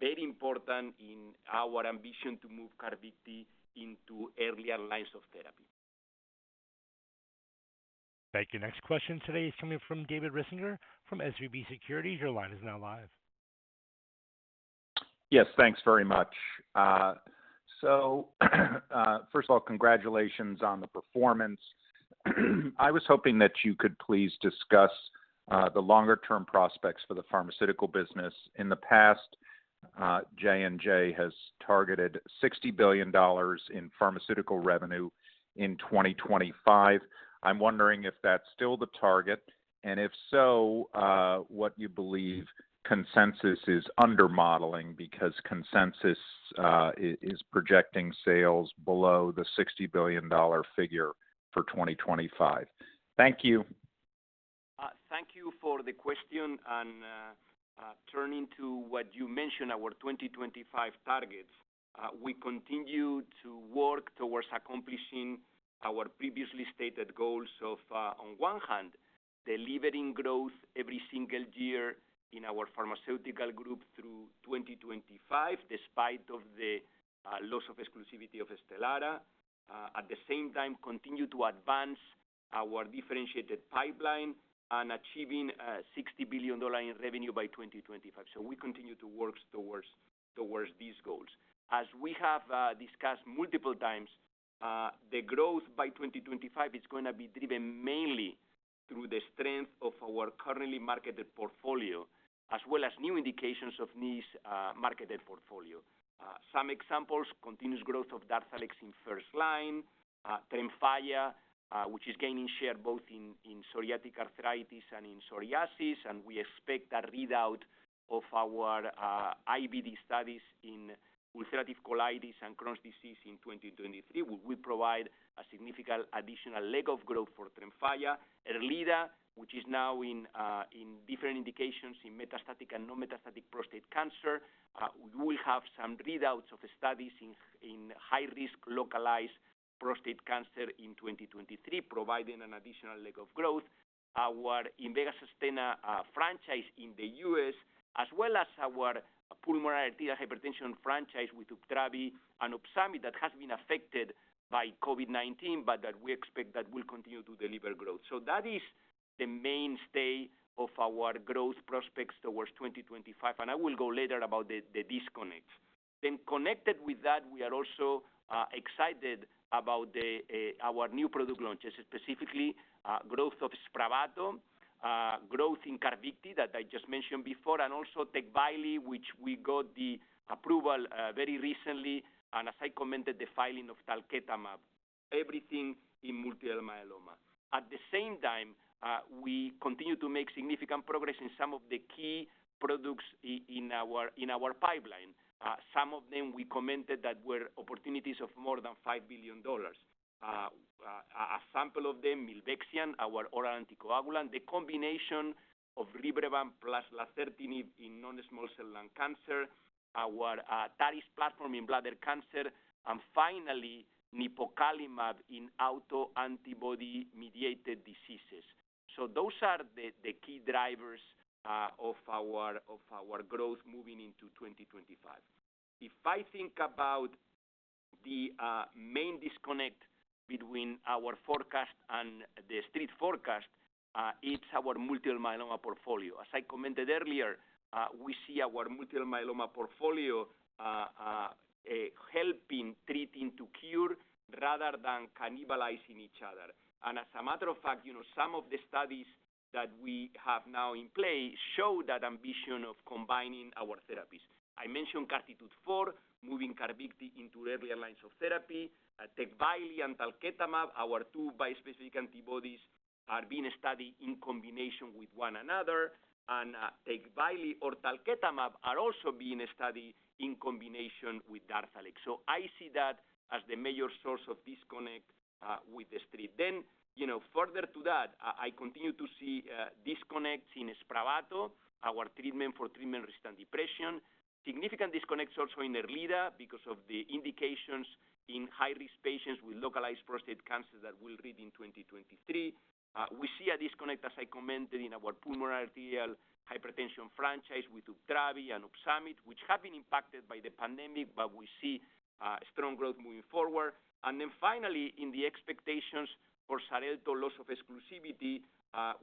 very important in our ambition to move CARVYKTI into earlier lines of therapy. Thank you. Next question today is coming from David Risinger from SVB Securities. Your line is now live. Yes, thanks very much. First of all, congratulations on the performance. I was hoping that you could please discuss the longer-term prospects for the pharmaceutical business. In the past, J&J has targeted $60 billion in pharmaceutical revenue in 2025. I'm wondering if that's still the target, and if so, what you believe consensus is under-modeling, because consensus is projecting sales below the $60 billion figure for 2025. Thank you. Thank you for the question. Turning to what you mentioned, our 2025 targets, we continue to work towards accomplishing our previously stated goals of on one hand, delivering growth every single year in our Pharmaceutical group through 2025, despite of the loss of exclusivity of STELARA. At the same time, continue to advance our differentiated pipeline on achieving $60 billion in revenue by 2025. We continue to work towards these goals. As we have discussed multiple times, the growth by 2025 is gonna be driven mainly through the strength of our currently marketed portfolio, as well as new indications of niche marketed portfolio. Some examples, continuous growth of DARZALEX in first line, TREMFYA, which is gaining share both in psoriatic arthritis and in psoriasis. We expect a readout of our IBD studies in ulcerative colitis and Crohn's disease in 2023 will provide a significant additional leg of growth for TREMFYA. ERLEADA, which is now in different indications in metastatic and non-metastatic prostate cancer. We will have some readouts of studies in high risk localized prostate cancer in 2023, providing an additional leg of growth. Our INVEGA SUSTENNAfranchise in the U.S. as well as our pulmonary arterial hypertension franchise with UPTRAVI and OPSUMIT that has been affected by COVID-19, but that we expect that will continue to deliver growth. That is the mainstay of our growth prospects towards 2025, and I will go later about the disconnect. Connected with that, we are also excited about our new product launches, specifically, growth of SPRAVATO, growth in CARVYKTI that I just mentioned before, and also TECVAYLI, which we got the approval very recently, and as I commented, the filing of TALVEY, everything in multiple myeloma. At the same time, we continue to make significant progress in some of the key products in our pipeline. Some of them we commented that were opportunities of more than $5 billion. A sample of them, Milvexian, our oral anticoagulant, the combination of RYBREVANT plus lazertinib in non-small cell lung cancer, our TARIS platform in bladder cancer, and finally Nipocalimab in autoantibody mediated diseases. Those are the key drivers of our growth moving into 2025. The main disconnect between our forecast and the street forecast, it's our multiple myeloma portfolio. As I commented earlier, we see our multiple myeloma portfolio helping treating to cure rather than cannibalizing each other. As a matter of fact, you know, some of the studies that we have now in play show that ambition of combining our therapies. I mentioned CARTITUDE-4, moving CARVYKTI into earlier lines of therapy. TECVAYLI and TALVEY, our two bispecific antibodies, are being studied in combination with one another, and TECVAYLI or TALVEY are also being studied in combination with DARZALEX. So I see that as the major source of disconnect with the street. Further to that, I continue to see disconnects in SPRAVATO, our treatment for treatment-resistant depression Significant disconnects also in ERLEADA because of the indications in high-risk patients with localized prostate cancer that we'll read in 2023. We see a disconnect, as I commented, in our pulmonary arterial hypertension franchise with UPTRAVI, OPSUMIT which have been impacted by the pandemic, but we see strong growth moving forward. Finally, in the expectations for Xarelto loss of exclusivity,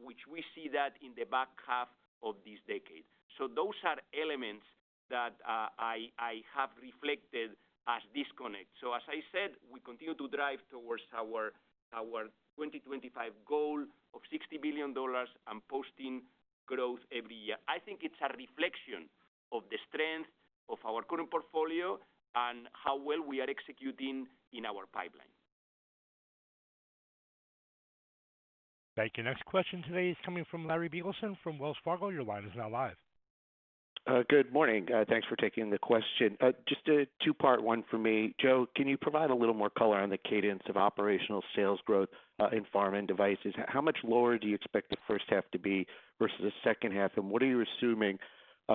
which we see that in the back half of this decade. Those are elements that I have reflected as disconnects. As I said, we continue to drive towards our 2025 goal of $60 billion and posting growth every year. I think it's a reflection of the strength of our current portfolio and how well we are executing in our pipeline. Thank you. Next question today is coming from Larry Biegelsen from Wells Fargo. Your line is now live. Good morning. Thanks for taking the question. Just a two-part one for me. Joe, can you provide a little more color on the cadence of operational sales growth in pharma and devices? How much lower do you expect the first half to be versus the second half? What are you assuming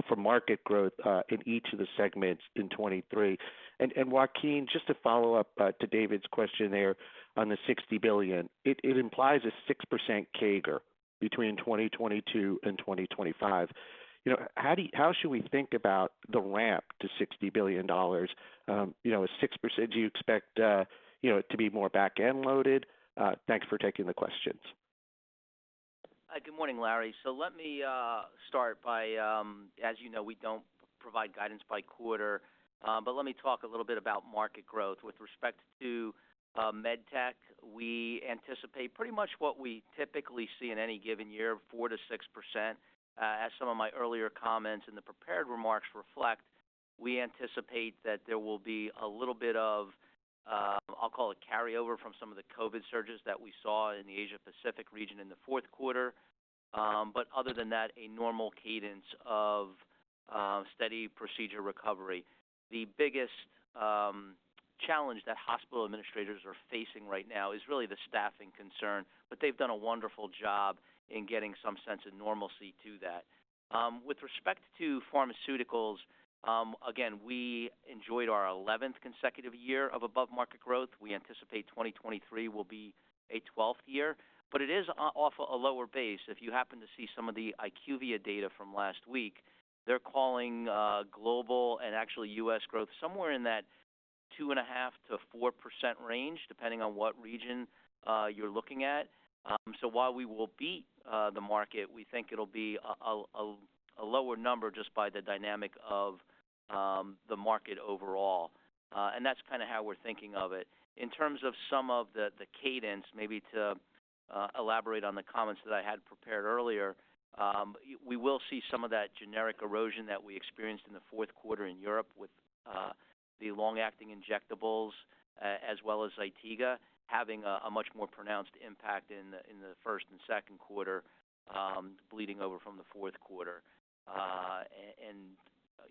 for market growth in each of the segments in 2023? Joaquin, just to follow up to David's question there on the $60 billion. It implies a 6% CAGR between 2022 and 2025. You know, how should we think about the ramp to $60 billion? You know, is 6% do you expect, you know, to be more back-end loaded? Thanks for taking the questions. Good morning, Larry. Let me start by, as you know, we don't provide guidance by quarter, let me talk a little bit about market growth. With respect to MedTech, we anticipate pretty much what we typically see in any given year, 4%-6%. As some of my earlier comments in the prepared remarks reflect, we anticipate that there will be a little bit of, I'll call it carryover from some of the COVID surges that we saw in the Asia Pacific region in the fourth quarter. Other than that, a normal cadence of steady procedure recovery. The biggest challenge that hospital administrators are facing right now is really the staffing concern, they've done a wonderful job in getting some sense of normalcy to that. With respect to pharmaceuticals, again, we enjoyed our 11th consecutive year of above-market growth. We anticipate 2023 will be a 12th year, but it is off a lower base. If you happen to see some of the IQVIA data from last week, they're calling global and actually U.S. growth somewhere in that 2.5%-4% range, depending on what region you're looking at. So while we will beat the market, we think it'll be a lower number just by the dynamic of the market overall. That's kinda how we're thinking of it. In terms of some of the cadence, maybe to elaborate on the comments that I had prepared earlier, we will see some of that generic erosion that we experienced in the fourth quarter in Europe with the long-acting injectables, as well as ZYTIGA having a much more pronounced impact in the first and second quarter, bleeding over from the fourth quarter.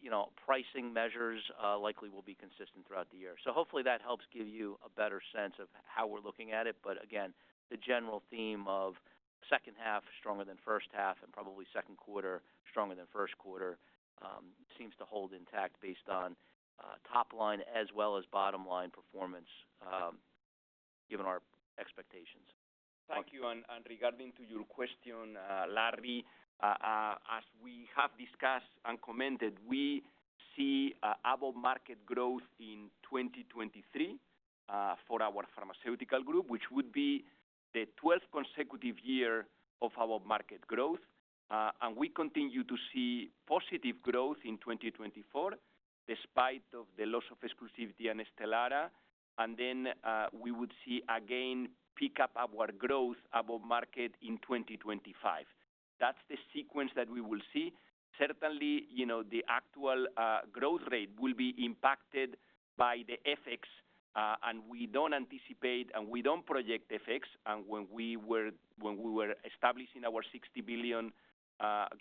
You know, pricing measures likely will be consistent throughout the year. Hopefully that helps give you a better sense of how we're looking at it. Again, the general theme of second half stronger than first half and probably second quarter stronger than first quarter seems to hold intact based on top line as well as bottom line performance given our expectations. Thank you. Regarding to your question, Larry, as we have discussed and commented, we see above market growth in 2023 for our pharmaceutical group, which would be the 12th consecutive year of above market growth. We continue to see positive growth in 2024 despite of the loss of exclusivity in STELARA. We would see again pick up our growth above market in 2025. That's the sequence that we will see. Certainly, you know, the actual growth rate will be impacted by the FX, we don't anticipate and we don't project FX. When we were establishing our $60 billion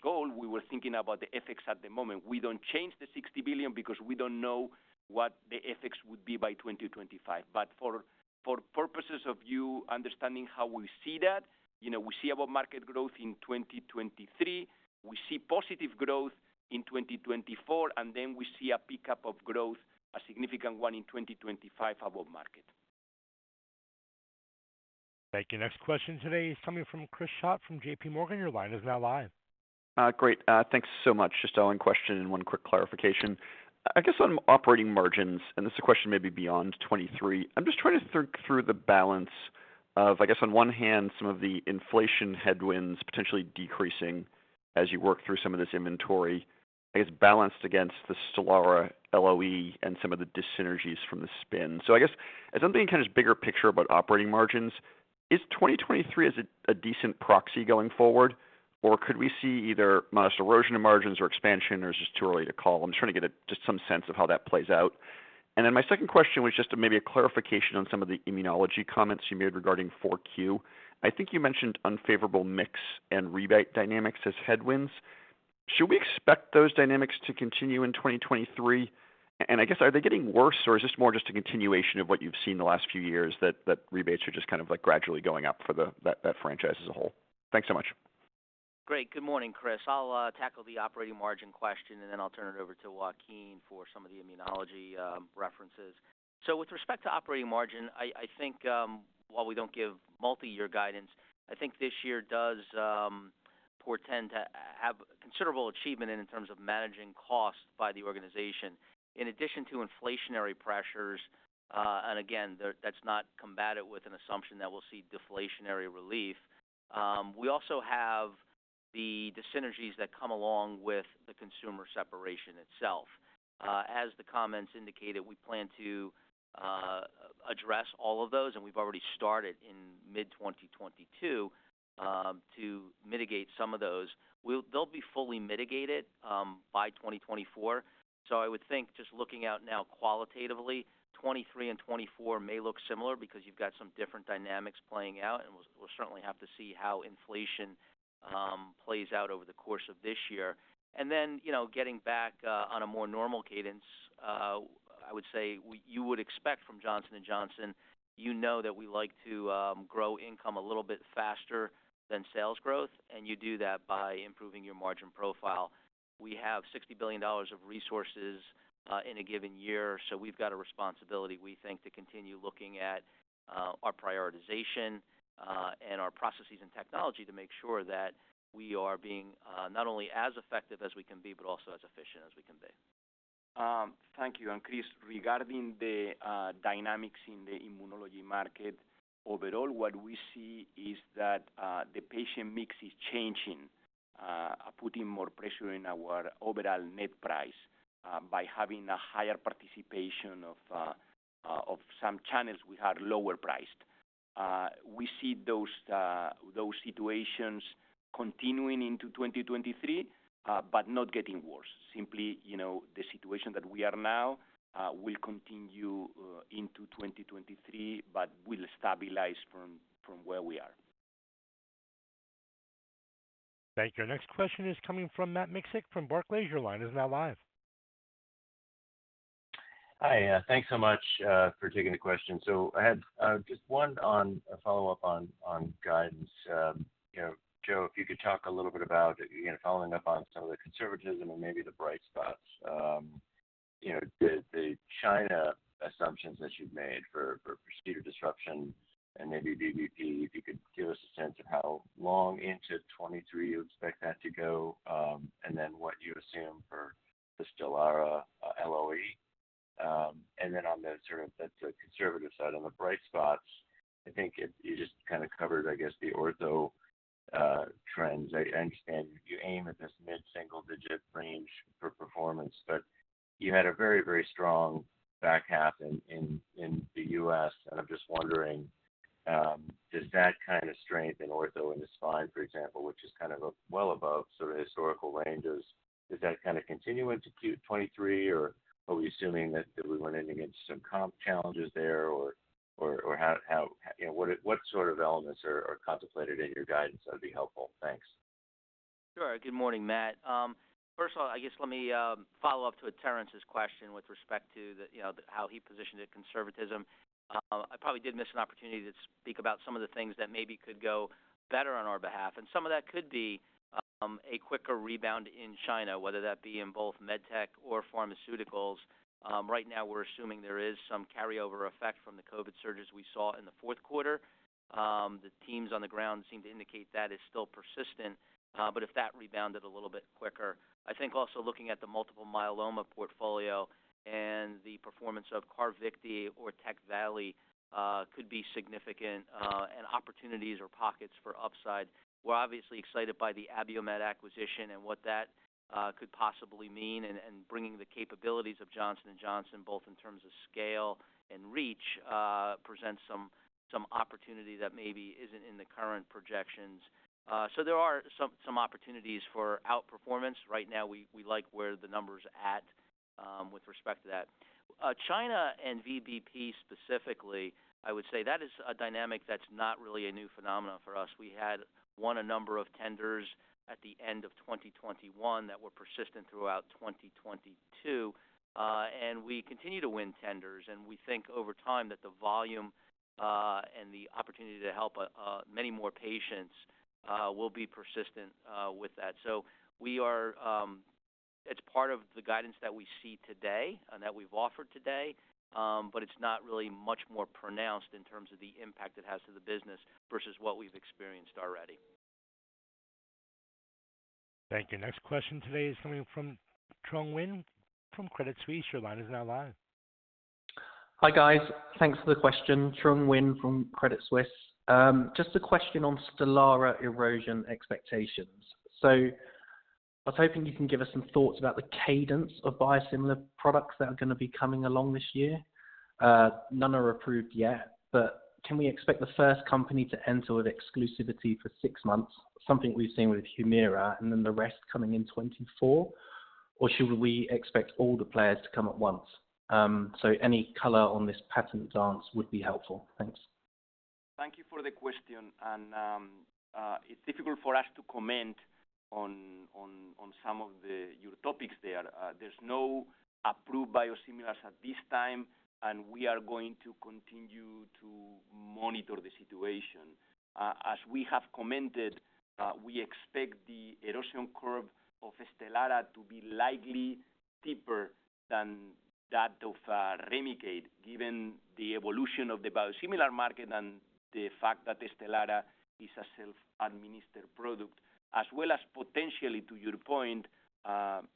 goal, we were thinking about the FX at the moment. We don't change the $60 billion because we don't know what the FX would be by 2025. For purposes of you understanding how we see that, you know, we see above market growth in 2023, we see positive growth in 2024, and then we see a pickup of growth, a significant one, in 2025 above market. Thank you. Next question today is coming from Chris Schott from JPMorgan. Your line is now live. Great. Thanks so much. Just one question and one quick clarification. I guess on operating margins. This is a question maybe beyond 23. I'm just trying to think through the balance of, I guess, on one hand, some of the inflation headwinds potentially decreasing as you work through some of this inventory, I guess, balanced against the STELARA LOE and some of the dyssynergies from the spin. I guess as I'm thinking kind of bigger picture about operating margins, is 2023 as a decent proxy going forward, or could we see either modest erosion of margins or expansion or it's just too early to call? I'm just trying to get just some sense of how that plays out. My second question was just maybe a clarification on some of the immunology comments you made regarding 4Q. I think you mentioned unfavorable mix and rebate dynamics as headwinds. Should we expect those dynamics to continue in 2023? I guess are they getting worse or is this more just a continuation of what you've seen the last few years that rebates are just kind of like gradually going up for that franchise as a whole? Thanks so much. Great. Good morning, Chris. I'll tackle the operating margin question, and then I'll turn it over to Joaquin for some of the immunology references. With respect to operating margin, I think while we don't give multi-year guidance, I think this year does portend to have considerable achievement in terms of managing costs by the organization. In addition to inflationary pressures, and again, that's not combated with an assumption that we'll see deflationary relief. We also have the synergies that come along with the consumer separation itself. As the comments indicated, we plan to address all of those, and we've already started in mid-2022 to mitigate some of those. They'll be fully mitigated by 2024. I would think just looking out now qualitatively, 2023 and 2024 may look similar because you've got some different dynamics playing out, and we'll certainly have to see how inflation plays out over the course of this year. Then, you know, getting back on a more normal cadence, I would say you would expect from Johnson & Johnson, you know that we like to grow income a little bit faster than sales growth, and you do that by improving your margin profile. We have $60 billion of resources in a given year, so we've got a responsibility, we think, to continue looking at our prioritization and our processes and technology to make sure that we are being not only as effective as we can be, but also as efficient as we can be. Thank you. Chris, regarding the dynamics in the immunology market, overall, what we see is that the patient mix is changing, putting more pressure in our overall net price, by having a higher participation of some channels we had lower priced. We see those situations continuing into 2023, but not getting worse. Simply, you know, the situation that we are now, will continue into 2023, but will stabilize from where we are. Thank you. Next question is coming from Matt Miksic from Barclays. Your line is now live. Hi. Thanks so much for taking the question. I had just one on a follow-up on guidance. You know, Joe, if you could talk a little bit about, you know, following up on some of the conservatism and maybe the bright spots, you know, the China assumptions that you've made for procedure disruption and maybe VBP, if you could give us a sense of how long into 23 you expect that to go, then what you assume for the STELARA LOE. Then on the sort of the conservative side, on the bright spots, I think you just kind of covered, I guess, the ortho trends. I understand you aim at this mid-single-digit range for performance, but you had a very strong back half in the U.S., and I'm just wondering, does that kind of strength in ortho and the spine, for example, which is kind of well above sort of historical ranges, does that kind of continue into Q 23, or are we assuming that we run into some comp challenges there? Or how? What sort of elements are contemplated in your guidance? That'd be helpful. Thanks. Sure. Good morning, Matt. First of all, I guess let me follow up to Terence's question with respect to the, you know, how he positioned the conservatism. I probably did miss an opportunity to speak about some of the things that maybe could go better on our behalf, some of that could be a quicker rebound in China, whether that be in both MedTech or pharmaceuticals. Right now we're assuming there is some carryover effect from the COVID surges we saw in the fourth quarter. The teams on the ground seem to indicate that is still persistent, if that rebounded a little bit quicker. I think also looking at the multiple myeloma portfolio and the performance of CARVYKTI or TECVAYLI could be significant and opportunities or pockets for upside. We're obviously excited by the Abiomed acquisition and what that could possibly mean and bringing the capabilities of Johnson & Johnson, both in terms of scale and reach, presents some opportunity that maybe isn't in the current projections. There are some opportunities for outperformance. Right now we like where the numbers at with respect to that. China and VBP specifically, I would say that is a dynamic that's not really a new phenomenon for us. We had won a number of tenders at the end of 2021 that were persistent throughout 2022, we continue to win tenders, we think over time that the volume and the opportunity to help many more patients will be persistent with that. We are... It's part of the guidance that we see today and that we've offered today, but it's not really much more pronounced in terms of the impact it has to the business versus what we've experienced already. Thank you. Next question today is coming from Truong Nguyen from Credit Suisse. Your line is now live. Hi, guys. Thanks for the question. Truong Nguyen from Credit Suisse. Just a question on STELARA erosion expectations. I was hoping you can give us some thoughts about the cadence of biosimilar products that are gonna be coming along this year. None are approved yet, can we expect the first company to enter with exclusivity for six months, something we've seen with Humira and then the rest coming in 2024? Should we expect all the players to come at once? Any color on this patent dance would be helpful. Thanks. Thank you for the question. It's difficult for us to comment on your topics there. There's no approved biosimilars at this time, and we are going to continue to monitor the situation. As we have commented, we expect the erosion curve of STELARA to be likely deeper than that of Remicade, given the evolution of the biosimilar market and the fact that STELARA is a self-administered product. As well as potentially, to your point,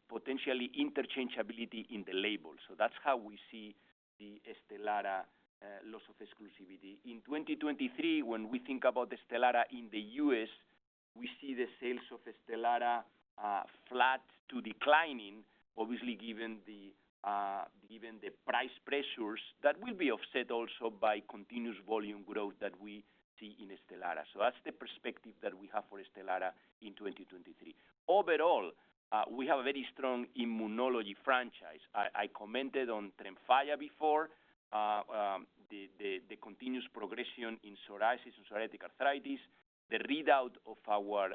potentially interchangeability in the label. That's how we see the STELARA loss of exclusivity. In 2023, when we think about STELARA in the U.S., we see the sales of STELARA flat to declining, obviously, given the price pressures that will be offset also by continuous volume growth that we see in Ste. That's the perspective that we have for STELARA in 2023. Overall, we have a very strong immunology franchise. I commented on TREMFYA before, the continuous progression in psoriasis and psoriatic arthritis, the readout of our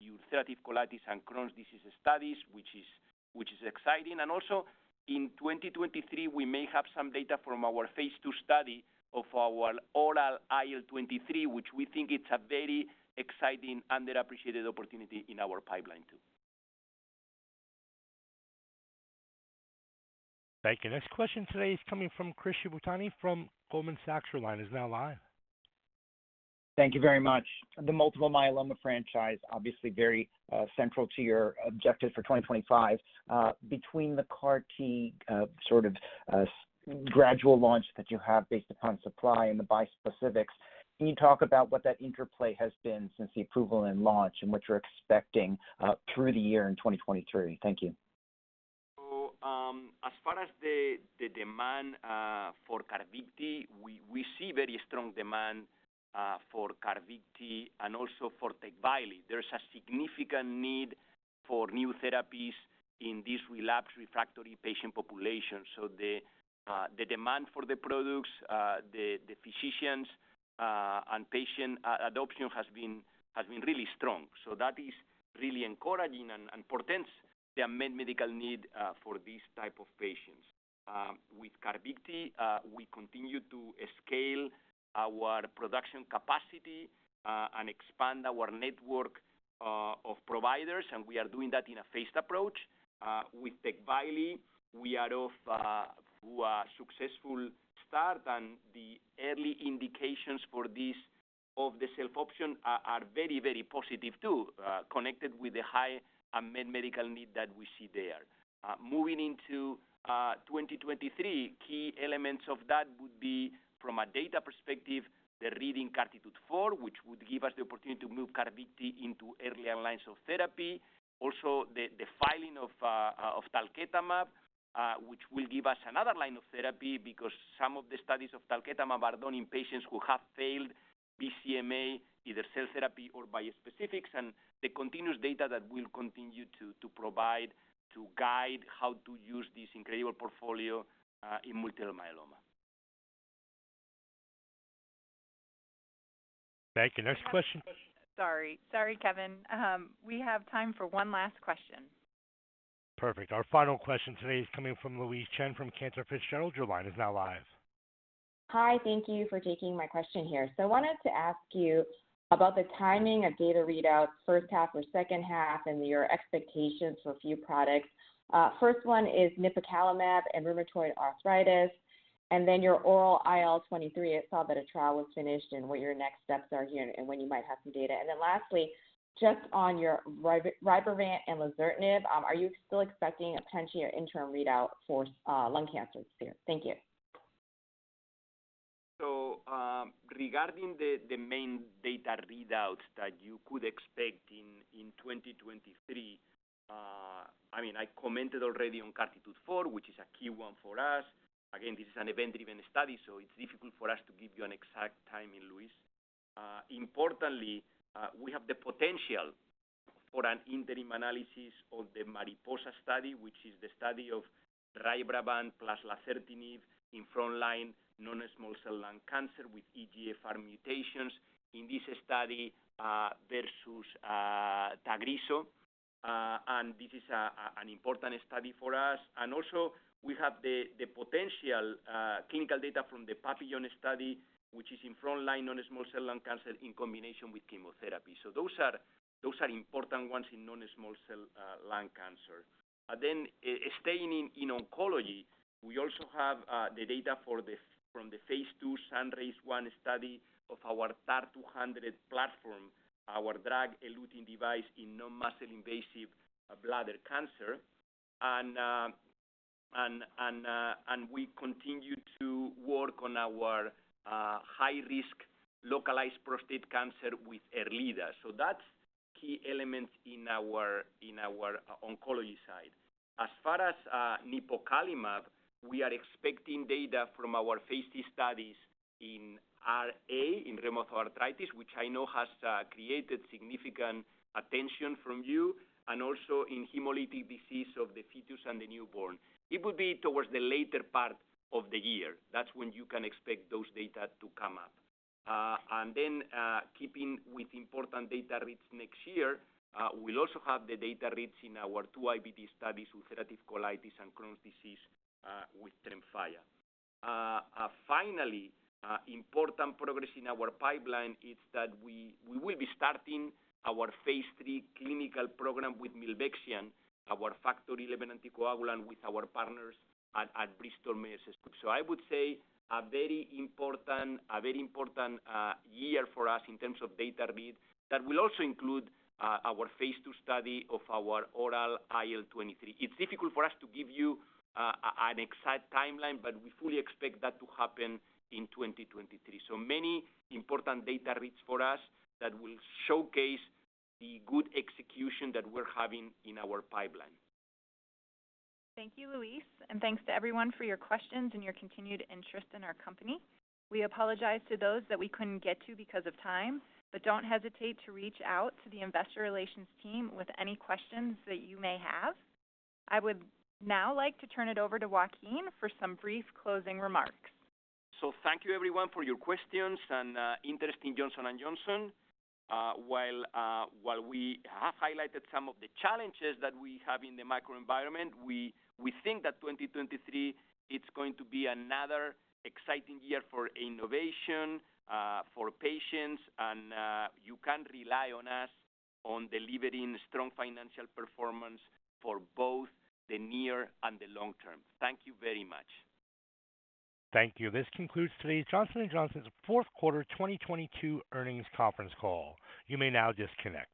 ulcerative colitis and Crohn's disease studies, which is exciting. Also in 2023, we may have some data from our phase II study of our oral IL-23, which we think it's a very exciting, underappreciated opportunity in our pipeline too. Thank you. Next question today is coming from Chris Shibutani from Goldman Sachs. Your line is now live. Thank you very much. The multiple myeloma franchise, obviously very central to your objective for 2025. Between the CAR T, sort of, gradual launch that you have based upon supply and the bispecifics, can you talk about what that interplay has been since the approval and launch and what you're expecting through the year in 2023? Thank you. As far as the demand for CARVYKTI, we see very strong demand for CARVYKTI and also for TECVAYLI. There's a significant need for new therapies in this relapsed refractory patient population. The demand for the products, the physicians, and patient adoption has been really strong. That is really encouraging and portends the unmet medical need for these type of patients. With CARVYKTI, we continue to scale our production capacity and expand our network of providers, and we are doing that in a phased approach. With TECVAYLI, we are off to a successful start, and the early indications for this of the self option are very positive too, connected with the high unmet medical need that we see there. Moving into 2023, key elements of that would be from a data perspective, the reading CARTITUDE-4, which would give us the opportunity to move CARVYKTI into earlier lines of therapy. Also the filing of talquetamab, which will give us another line of therapy because some of the studies of talquetamab are done in patients who have failed BCMA, either cell therapy or bispecifics, and the continuous data that we'll continue to provide to guide how to use this incredible portfolio in multiple myeloma. Thank you. Next question. Sorry. Sorry, Kevin. We have time for one last question. Perfect. Our final question today is coming from Louise Chen from Cantor Fitzgerald. Your line is now live. Hi. Thank you for taking my question here. I wanted to ask you about the timing of data readouts, first half or second half, and your expectations for a few products. First one is Nipocalimab and rheumatoid arthritis, and then your oral IL-23. I saw that a trial was finished and what your next steps are here and when you might have some data. Lastly, just on your RYBREVANT and lazertinib, are you still expecting a potential year interim readout for lung cancer sphere? Thank you. Regarding the main data readouts that you could expect in 2023, I commented already on CARTITUDE-4, which is a key one for us. This is an event-driven study, so it's difficult for us to give you an exact timing, Louise. Importantly, we have the potential for an interim analysis of the MARIPOSA study, which is the study of RYBREVANT plus lazertinib in frontline non-small cell lung cancer with EGFR mutations. In this study, versus TAGRISSO. This is an important study for us. We have the potential clinical data from the PAPILLON study, which is in frontline non-small cell lung cancer in combination with chemotherapy. Those are, those are important ones in non-small cell lung cancer. Staying in oncology, we also have the data from the phase II SunRISe-1 study of our TAR-200 platform, our drug-eluting device in non-muscle invasive bladder cancer. We continue to work on our high risk localized prostate cancer with ERLEADA. That's key elements in our oncology side. As far as Nipocalimab, we are expecting data from our phase D studies in RA, in rheumatoid arthritis, which I know has created significant attention from you and also in hemolytic disease of the fetus and the newborn. It will be towards the later part of the year. That's when you can expect those data to come up. Keeping with important data reads next year, we'll also have the data reads in our two IBD studies, ulcerative colitis and Crohn's disease, with TREMFYA. Finally, important progress in our pipeline is that we will be starting our phase III clinical program with Milvexian, our factor XI anticoagulant with our partners at Bristol Myers Squibb. I would say a very important year for us in terms of data read that will also include our phase 2 study of our oral IL-23. It's difficult for us to give you an exact timeline, but we fully expect that to happen in 2023. Many important data reads for us that will showcase the good execution that we're having in our pipeline. Thank you, Louise, and thanks to everyone for your questions and your continued interest in our company. We apologize to those that we couldn't get to because of time, but don't hesitate to reach out to the investor relations team with any questions that you may have. I would now like to turn it over to Joaquin for some brief closing remarks. Thank you everyone for your questions and interest in Johnson & Johnson. While we have highlighted some of the challenges that we have in the microenvironment, we think that 2023, it's going to be another exciting year for innovation, for patients, and you can rely on us on delivering strong financial performance for both the near and the long term. Thank you very much. Thank you. This concludes today's Johnson & Johnson's fourth quarter 2022 earnings conference call. You may now disconnect.